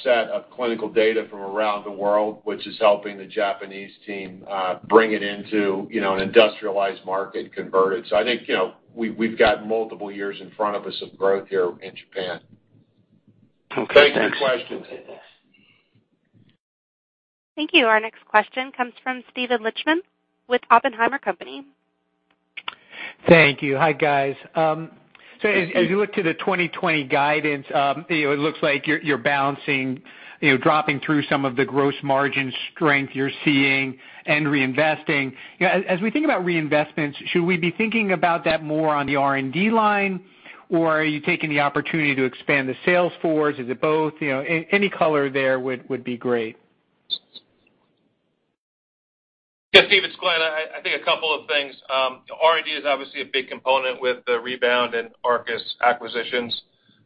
set of clinical data from around the world, which is helping the Japanese team bring it into an industrialized market and convert it. So I think we've got multiple years in front of us of growth here in Japan. Okay. Thanks. Thanks for the questions. Thank you. Our next question comes from Steven Lichtman with Oppenheimer & Co. Thank you. Hi, guys. So as you look to the 2020 guidance, it looks like you're balancing, dropping through some of the gross margin strength you're seeing and reinvesting. As we think about reinvestments, should we be thinking about that more on the R&D line, or are you taking the opportunity to expand the sales force? Is it both? Any color there would be great. Yeah. Steve, it's Glenn. I think a couple of things. R&D is obviously a big component with the Rebound and Arkis acquisitions.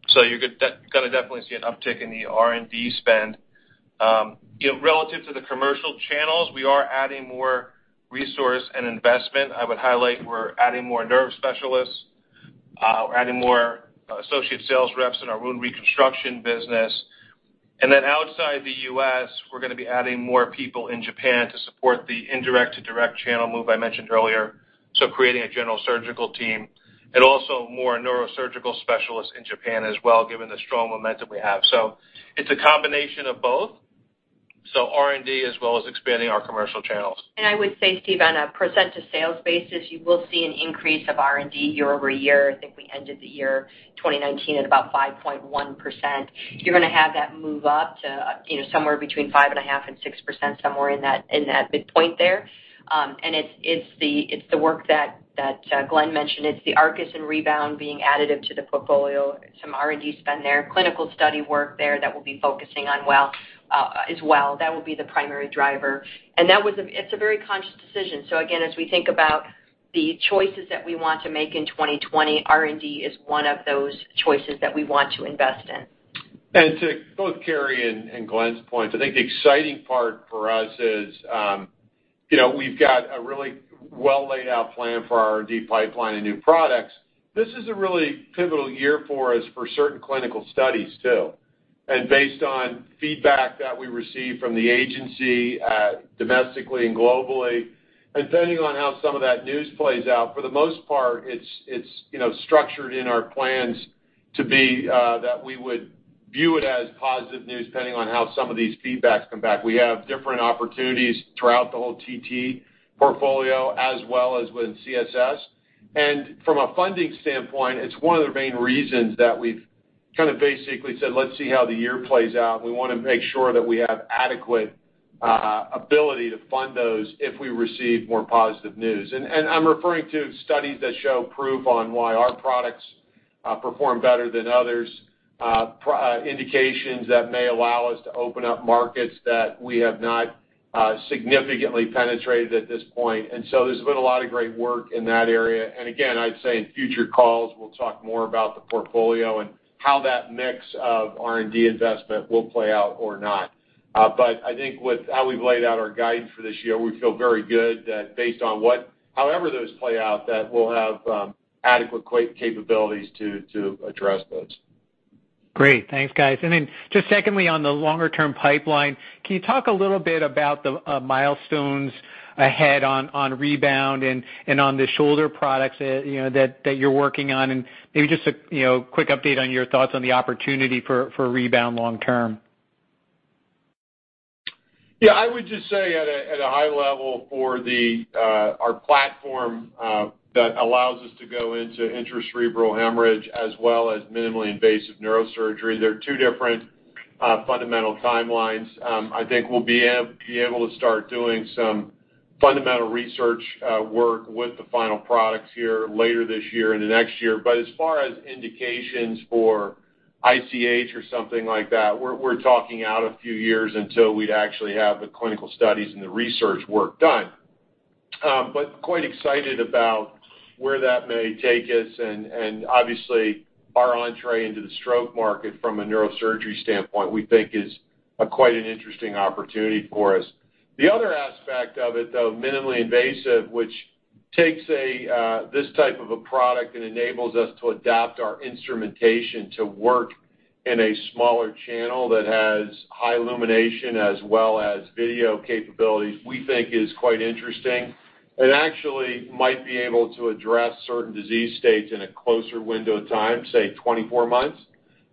So you're going to definitely see an uptick in the R&D spend. Relative to the commercial channels, we are adding more resource and investment. I would highlight we're adding more nerve specialists. We're adding more associate sales reps in our wound reconstruction business. And then outside the U.S., we're going to be adding more people in Japan to support the indirect to direct channel move I mentioned earlier. So creating a general surgical team and also more neurosurgical specialists in Japan as well, given the strong momentum we have. So it's a combination of both. So R&D as well as expanding our commercial channels. I would say, Steve, on a percent to sales basis, you will see an increase of R&D year over year. I think we ended the year 2019 at about 5.1%. You're going to have that move up to somewhere between 5.5%-6%, somewhere in that midpoint there. It's the work that Glenn mentioned. It's the Arkis and Rebound being additive to the portfolio, some R&D spend there, clinical study work there that we'll be focusing on as well. That will be the primary driver. It's a very conscious decision. Again, as we think about the choices that we want to make in 2020, R&D is one of those choices that we want to invest in. To both Carrie and Glenn's points, I think the exciting part for us is we've got a really well-laid out plan for our R&D pipeline and new products. This is a really pivotal year for us for certain clinical studies too. And based on feedback that we receive from the agency domestically and globally, and depending on how some of that news plays out, for the most part, it's structured in our plans to be that we would view it as positive news depending on how some of these feedbacks come back. We have different opportunities throughout the whole OTT portfolio as well as within CSS. And from a funding standpoint, it's one of the main reasons that we've kind of basically said, Let's see how the year plays out. We want to make sure that we have adequate ability to fund those if we receive more positive news. And I'm referring to studies that show proof on why our products perform better than others, indications that may allow us to open up markets that we have not significantly penetrated at this point. And so there's been a lot of great work in that area. And again, I'd say in future calls, we'll talk more about the portfolio and how that mix of R&D investment will play out or not. But I think with how we've laid out our guidance for this year, we feel very good that based on however those play out, that we'll have adequate capabilities to address those. Great. Thanks, guys. And then just secondly, on the longer-term pipeline, can you talk a little bit about the milestones ahead on Rebound and on the shoulder products that you're working on? And maybe just a quick update on your thoughts on the opportunity for Rebound long-term. Yeah. I would just say at a high level for our platform that allows us to go into intracerebral hemorrhage as well as minimally invasive neurosurgery, there are two different fundamental timelines. I think we'll be able to start doing some fundamental research work with the final products here later this year and the next year. But as far as indications for ICH or something like that, we're talking out a few years until we'd actually have the clinical studies and the research work done. But quite excited about where that may take us. And obviously, our entry into the stroke market from a neurosurgery standpoint, we think is quite an interesting opportunity for us. The other aspect of it, though, minimally invasive, which takes this type of a product and enables us to adapt our instrumentation to work in a smaller channel that has high illumination as well as video capabilities, we think is quite interesting and actually might be able to address certain disease states in a closer window of time, say 24 months,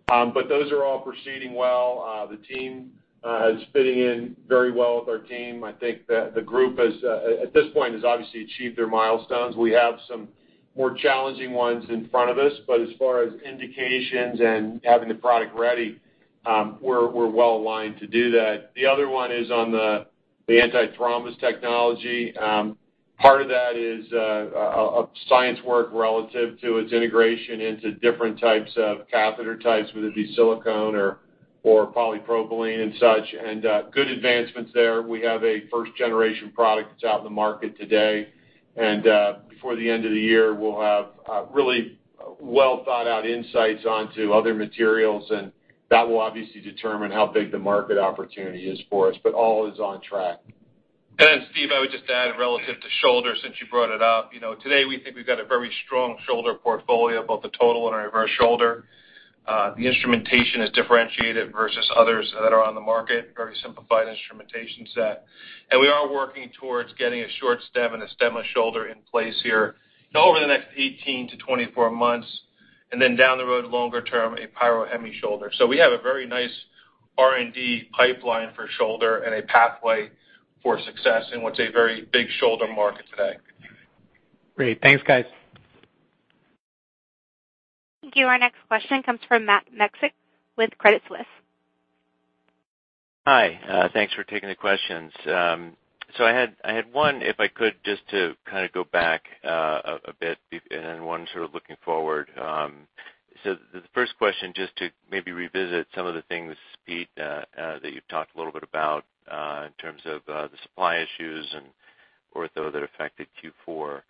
but those are all proceeding well. The team is fitting in very well with our team. I think that the group at this point has obviously achieved their milestones. We have some more challenging ones in front of us, but as far as indications and having the product ready, we're well aligned to do that. The other one is on the anti-thrombus technology. Part of that is science work relative to its integration into different types of catheter types, whether it be silicone or polypropylene and such. And good advancements there. We have a first-generation product that's out in the market today. And before the end of the year, we'll have really well-thought-out insights onto other materials. And that will obviously determine how big the market opportunity is for us. But all is on track. And Steve, I would just add relative to shoulder, since you brought it up, today we think we've got a very strong shoulder portfolio, both the total and reverse shoulder. The instrumentation is differentiated versus others that are on the market, very simplified instrumentation set. And we are working towards getting a short stem and a stemless shoulder in place here over the next 18-24 months. And then down the road, longer term, a PyroHemi shoulder. So we have a very nice R&D pipeline for shoulder and a pathway for success in what's a very big shoulder market today. Great. Thanks, guys. Thank you. Our next question comes from Matt Miksic with Credit Suisse. Hi. Thanks for taking the questions. So I had one, if I could, just to kind of go back a bit and one sort of looking forward. So the first question, just to maybe revisit some of the things, Pete, that you've talked a little bit about in terms of the supply issues and ortho that affected Q4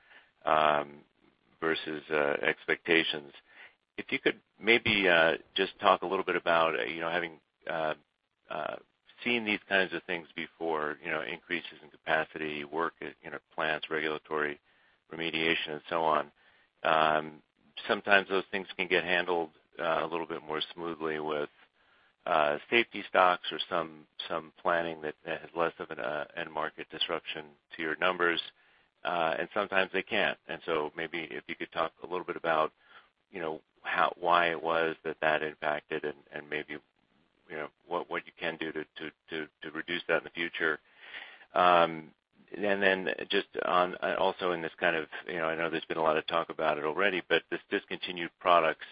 versus expectations. If you could maybe just talk a little bit about having seen these kinds of things before, increases in capacity, work at plants, regulatory remediation, and so on. Sometimes those things can get handled a little bit more smoothly with safety stocks or some planning that has less of an end-market disruption to your numbers. And sometimes they can't. And so maybe if you could talk a little bit about why it was that that impacted and maybe what you can do to reduce that in the future? And then just also in this kind of, I know there's been a lot of talk about it already, but this discontinued products,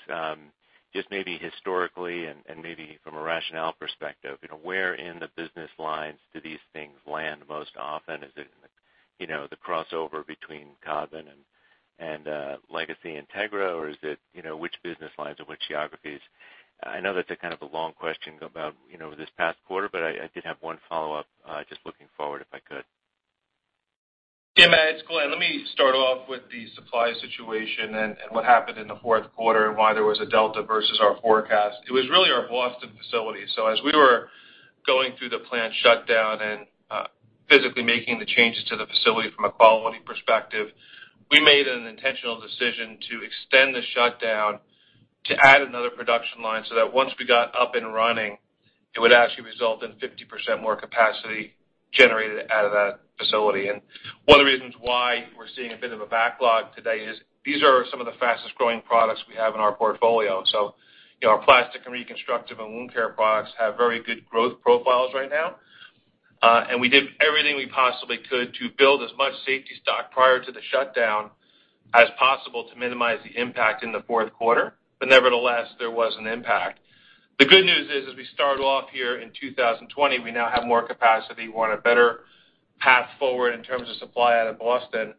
just maybe historically and maybe from a rationale perspective, where in the business lines do these things land most often? Is it the crossover between Codman and Legacy Integra, or is it which business lines and which geographies? I know that's a kind of a long question about this past quarter, but I did have one follow-up, just looking forward if I could. Yeah. Matt, it's Glenn. Let me start off with the supply situation and what happened in the fourth quarter and why there was a delta versus our forecast. It was really our Boston facility. So as we were going through the plant shutdown and physically making the changes to the facility from a quality perspective, we made an intentional decision to extend the shutdown to add another production line so that once we got up and running, it would actually result in 50% more capacity generated out of that facility. And one of the reasons why we're seeing a bit of a backlog today is these are some of the fastest-growing products we have in our portfolio. So our plastic and reconstructive and wound care products have very good growth profiles right now. And we did everything we possibly could to build as much safety stock prior to the shutdown as possible to minimize the impact in the fourth quarter. But nevertheless, there was an impact. The good news is, as we started off here in 2020, we now have more capacity. We're on a better path forward in terms of supply out of Boston.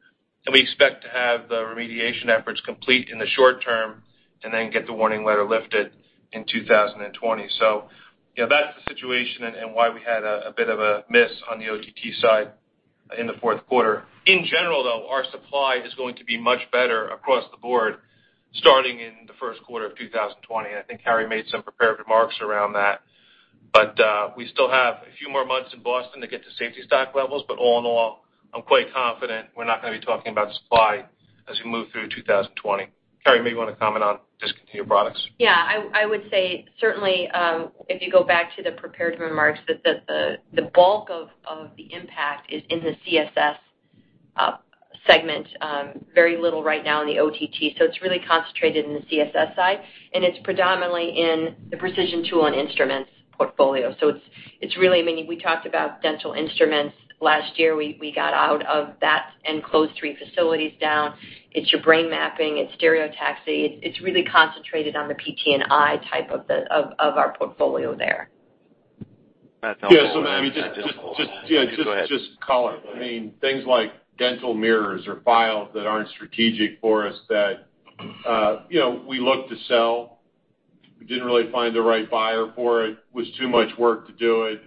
And we expect to have the remediation efforts complete in the short term and then get the warning letter lifted in 2020. So that's the situation and why we had a bit of a miss on the OTT side in the fourth quarter. In general, though, our supply is going to be much better across the board starting in the first quarter of 2020. And I think Carrie made some preparative remarks around that. But we still have a few more months in Boston to get to safety stock levels. But all in all, I'm quite confident we're not going to be talking about supply as we move through 2020. Carrie, maybe you want to comment on discontinued products? Yeah. I would say certainly, if you go back to the preparatory remarks, that the bulk of the impact is in the CSS segment. Very little right now in the OTT. So it's really concentrated in the CSS side. And it's predominantly in the Precision Tools and Instruments portfolio. So it's really many. We talked about dental instruments last year. We got out of that and closed three facilities down. It's your brain mapping. It's stereotaxy. It's really concentrated on the PT&I type of our portfolio there. Matt, tell us about your portfolio. Yeah. So maybe just. Just go ahead. Just collateral. I mean, things like dental mirrors or files that aren't strategic for us that we looked to sell. We didn't really find the right buyer for it. It was too much work to do it.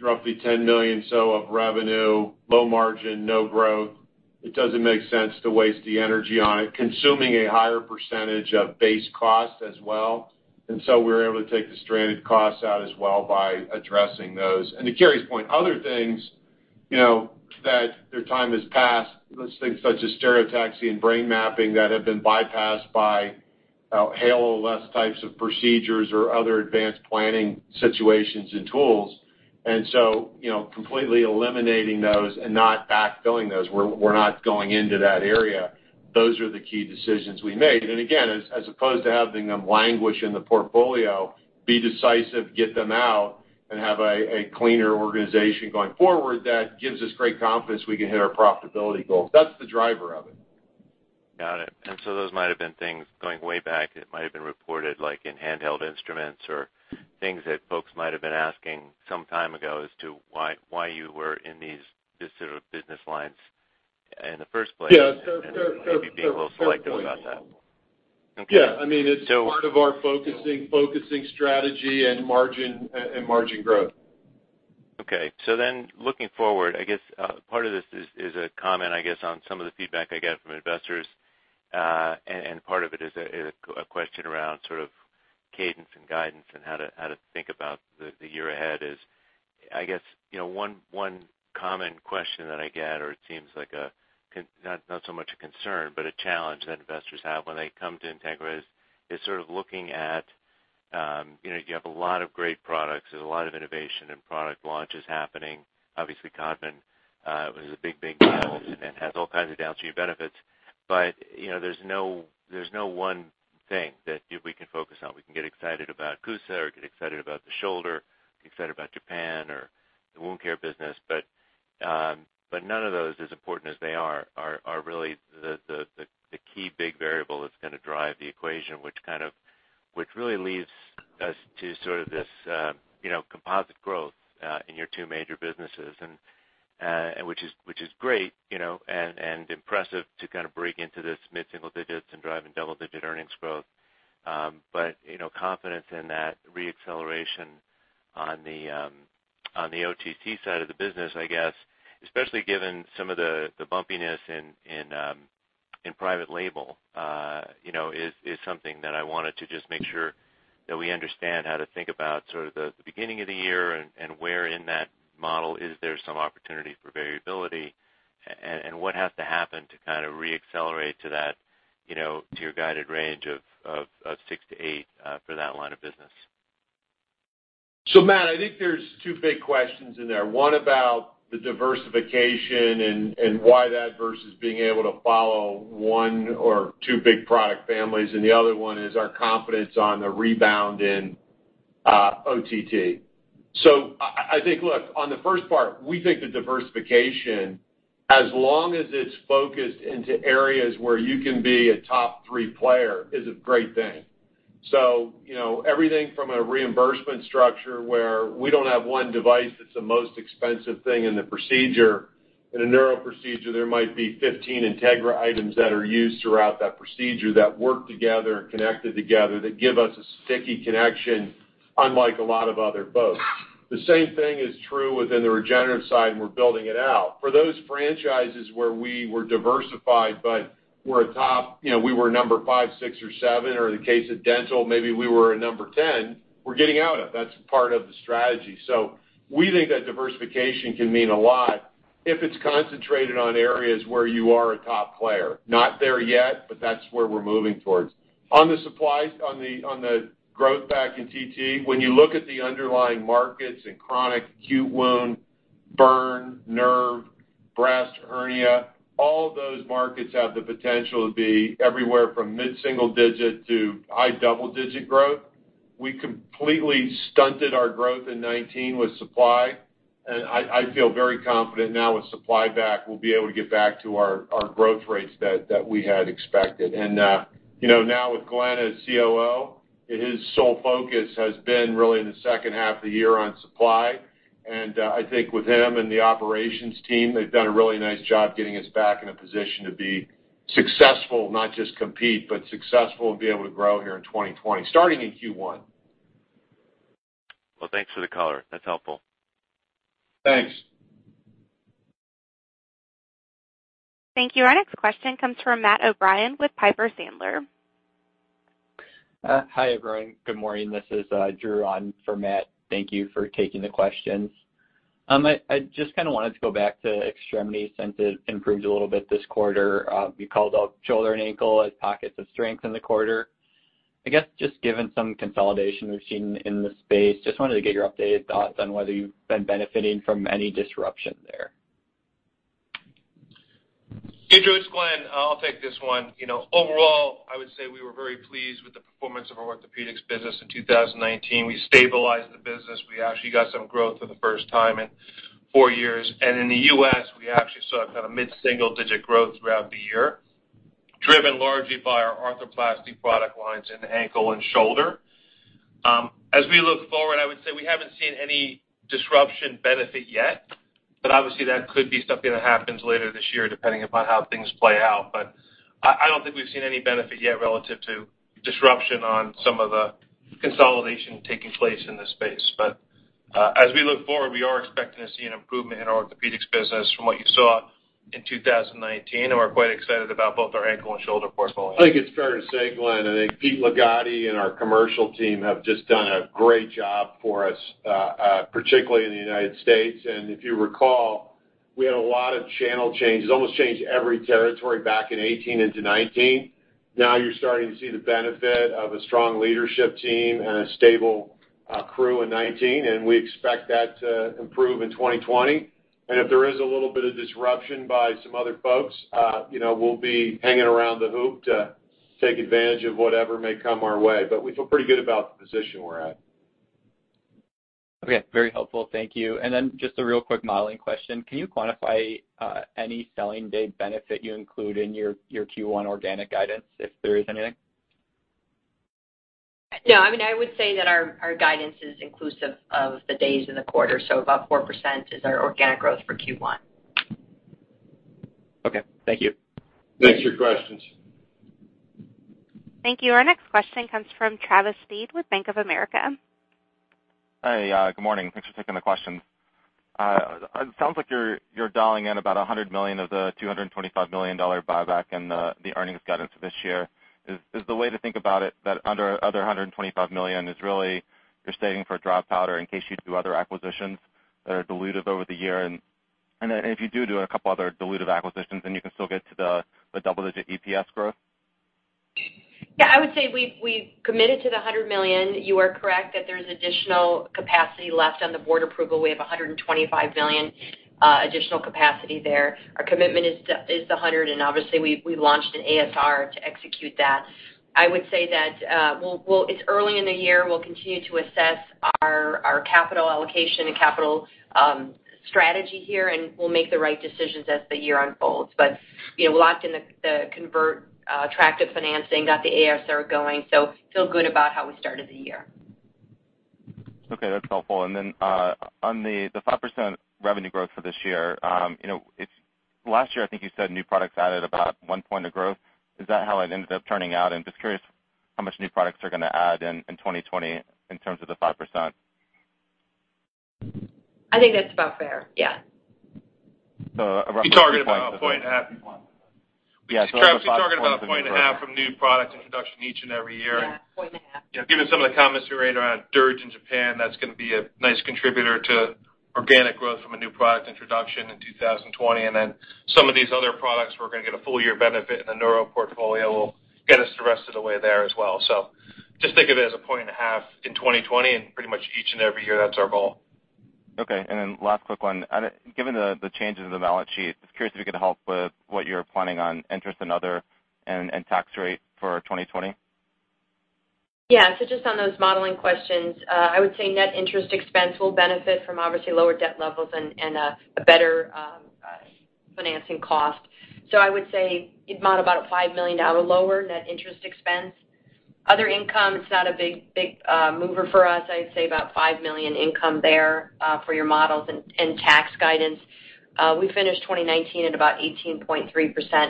Roughly $10 million or so of revenue, low margin, no growth. It doesn't make sense to waste the energy on it, consuming a higher percentage of base cost as well. And so we were able to take the stranded costs out as well by addressing those. To Carrie's point, other things that their time has passed, things such as stereotaxy and brain mapping that have been bypassed by halo-less types of procedures or other advanced planning situations and tools. Completely eliminating those and not backfilling those. We're not going into that area. Those are the key decisions we made. Again, as opposed to having them languish in the portfolio, be decisive, get them out, and have a cleaner organization going forward that gives us great confidence we can hit our profitability goals. That's the driver of it. Got it. And so those might have been things going way back. It might have been reported like in handheld instruments or things that folks might have been asking some time ago as to why you were in these sort of business lines in the first place. Yeah, so maybe be a little selective about that. Yeah. I mean, it's part of our focusing strategy and margin growth. Okay. So then looking forward, I guess part of this is a comment, I guess, on some of the feedback I get from investors. And part of it is a question around sort of cadence and guidance and how to think about the year ahead is, I guess, one common question that I get, or it seems like not so much a concern, but a challenge that investors have when they come to Integra is sort of looking at you have a lot of great products. There's a lot of innovation and product launches happening. Obviously, Codman was a big, big deal and has all kinds of downstream benefits. But there's no one thing that we can focus on. We can get excited about CUSA or get excited about the shoulder, get excited about Japan or the wound care business. But none of those, as important as they are, are really the key big variable that's going to drive the equation, which kind of really leads us to sort of this composite growth in your two major businesses, which is great and impressive to kind of break into this mid-single digits and driving double-digit earnings growth, but confidence in that re-acceleration on the OTT side of the business, I guess, especially given some of the bumpiness in private label, is something that I wanted to just make sure that we understand how to think about sort of the beginning of the year and where in that model is there some opportunity for variability and what has to happen to kind of re-accelerate to your guided range of six to eight for that line of business. So Matt, I think there's two big questions in there. One about the diversification and why that versus being able to follow one or two big product families. And the other one is our confidence on the rebound in OTT. So I think, look, on the first part, we think the diversification, as long as it's focused into areas where you can be a top three player, is a great thing. So everything from a reimbursement structure where we don't have one device that's the most expensive thing in the procedure. In a neuro procedure, there might be 15 Integra items that are used throughout that procedure that work together and connect together that give us a sticky connection, unlike a lot of other folks. The same thing is true within the regenerative side, and we're building it out. For those franchises where we were diversified, but we were a top number five, six, or seven, or in the case of dental, maybe we were a number 10. We're getting out of. That's part of the strategy. So we think that diversification can mean a lot if it's concentrated on areas where you are a top player. Not there yet, but that's where we're moving towards. On the supply, on the growth back in OTT, when you look at the underlying markets and chronic acute wound, burn, nerve, breast, hernia, all those markets have the potential to be everywhere from mid-single digit to high double-digit growth. We completely stunted our growth in 2019 with supply. And I feel very confident now with supply back, we'll be able to get back to our growth rates that we had expected. Now with Glenn as COO, his sole focus has been really in the second half of the year on supply. I think with him and the operations team, they've done a really nice job getting us back in a position to be successful, not just compete, but successful and be able to grow here in 2020, starting in Q1. Thanks for the color. That's helpful. Thanks. Thank you. Our next question comes from Matt O'Brien with Piper Sandler. Hi, everyone. Good morning. This is Drew, on for Matt. Thank you for taking the questions. I just kind of wanted to go back to extremities since it improved a little bit this quarter. You called out shoulder and ankle as pockets of strength in the quarter. I guess just given some consolidation we've seen in the space, just wanted to get your updated thoughts on whether you've been benefiting from any disruption there. Hey, Drew. It's Glenn. I'll take this one. Overall, I would say we were very pleased with the performance of our orthopedics business in 2019. We stabilized the business. We actually got some growth for the first time in four years, and in the U.S., we actually saw kind of mid-single digit growth throughout the year, driven largely by our arthroplasty product lines in ankle and shoulder. As we look forward, I would say we haven't seen any disruption benefit yet, but obviously, that could be something that happens later this year, depending upon how things play out, but I don't think we've seen any benefit yet relative to disruption on some of the consolidation taking place in this space, but as we look forward, we are expecting to see an improvement in our orthopedics business from what you saw in 2019. We're quite excited about both our ankle and shoulder portfolio. I think it's fair to say, Glenn, I think Pete Ligotti and our commercial team have just done a great job for us, particularly in the United States. If you recall, we had a lot of channel changes, almost changed every territory back in 2018 into 2019. Now you're starting to see the benefit of a strong leadership team and a stable crew in 2019. We expect that to improve in 2020. If there is a little bit of disruption by some other folks, we'll be hanging around the hoop to take advantage of whatever may come our way. We feel pretty good about the position we're at. Okay. Very helpful. Thank you. And then just a real quick modeling question. Can you quantify any selling day benefit you include in your Q1 organic guidance, if there is anything? No. I mean, I would say that our guidance is inclusive of the days in the quarter. So about 4% is our organic growth for Q1. Okay. Thank you. Thanks for your questions. Thank you. Our next question comes from Travis Steed with Bank of America. Hi. Good morning. Thanks for taking the question. It sounds like you're dialing in about $100 million of the $225 million buyback and the earnings guidance for this year. Is the way to think about it that the other $125 million is really you're saving for dry powder in case you do other acquisitions that are dilutive over the year? And if you do do a couple other dilutive acquisitions, then you can still get to the double-digit EPS growth? Yeah. I would say we committed to the $100 million. You are correct that there's additional capacity left on the board approval. We have $125 million additional capacity there. Our commitment is $100 million. And obviously, we've launched an ASR to execute that. I would say that it's early in the year. We'll continue to assess our capital allocation and capital strategy here. And we'll make the right decisions as the year unfolds. But we're locked in the convertible attractive financing, got the ASR going, so feel good about how we started the year. Okay. That's helpful. And then on the 5% revenue growth for this year, last year, I think you said new products added about one point of growth. Is that how it ended up turning out? And just curious how much new products are going to add in 2020 in terms of the 5%? I think that's about fair. Yeah. We target about a point and a half. Yeah, so it's about. We target about a point and a half from new product introduction each and every year. Yeah. A point and a half. Yeah. Given some of the comments we read around DuraSeal in Japan, that's going to be a nice contributor to organic growth from a new product introduction in 2020. And then some of these other products, we're going to get a full year benefit. And the neuro portfolio will get us the rest of the way there as well. So just think of it as a point and a half in 2020. And pretty much each and every year, that's our goal. Okay. And then last quick one. Given the changes in the balance sheet, just curious if you could help with what you're planning on interest and other and tax rate for 2020? Yeah. So just on those modeling questions, I would say net interest expense will benefit from obviously lower debt levels and a better financing cost. So I would say model about a $5 million lower net interest expense. Other income, it's not a big mover for us. I'd say about $5 million income there for your models and tax guidance. We finished 2019 at about 18.3%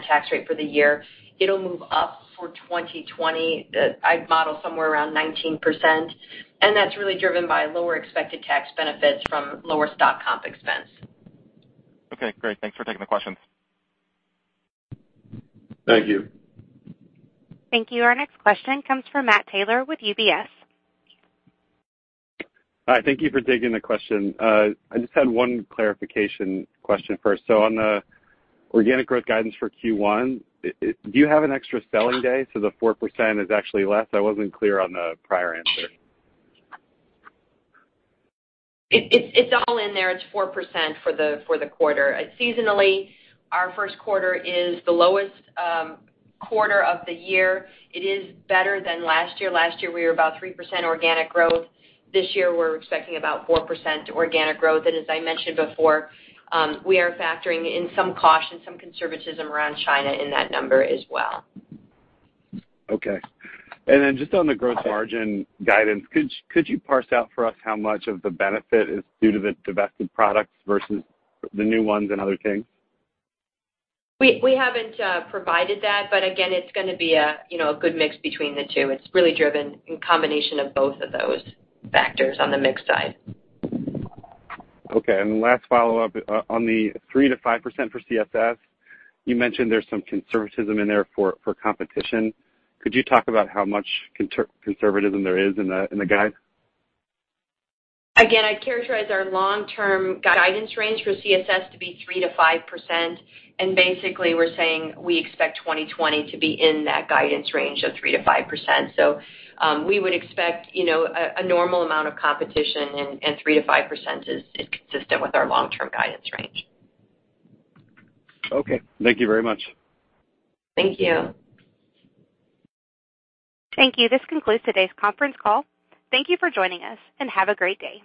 tax rate for the year. It'll move up for 2020. I'd model somewhere around 19%. And that's really driven by lower expected tax benefits from lower stock comp expense. Okay. Great. Thanks for taking the questions. Thank you. Thank you. Our next question comes from Matt Taylor with UBS. Hi. Thank you for taking the question. I just had one clarification question first. So on the organic growth guidance for Q1, do you have an extra selling day? So the 4% is actually less. I wasn't clear on the prior answer. It's all in there. It's 4% for the quarter. Seasonally, our first quarter is the lowest quarter of the year. It is better than last year. Last year, we were about 3% organic growth. This year, we're expecting about 4% organic growth. As I mentioned before, we are factoring in some caution, some conservatism around China in that number as well. Okay. And then just on the gross margin guidance, could you parse out for us how much of the benefit is due to the divested products versus the new ones and other things? We haven't provided that. But again, it's going to be a good mix between the two. It's really driven in combination of both of those factors on the mixed side. Okay. And last follow-up. On the 3%-5% for CSS, you mentioned there's some conservatism in there for competition. Could you talk about how much conservatism there is in the guide? Again, I'd characterize our long-term guidance range for CSS to be 3%-5%. And basically, we're saying we expect 2020 to be in that guidance range of 3%-5%. So we would expect a normal amount of competition, and 3%-5% is consistent with our long-term guidance range. Okay. Thank you very much. Thank you. Thank you. This concludes today's conference call. Thank you for joining us, and have a great day.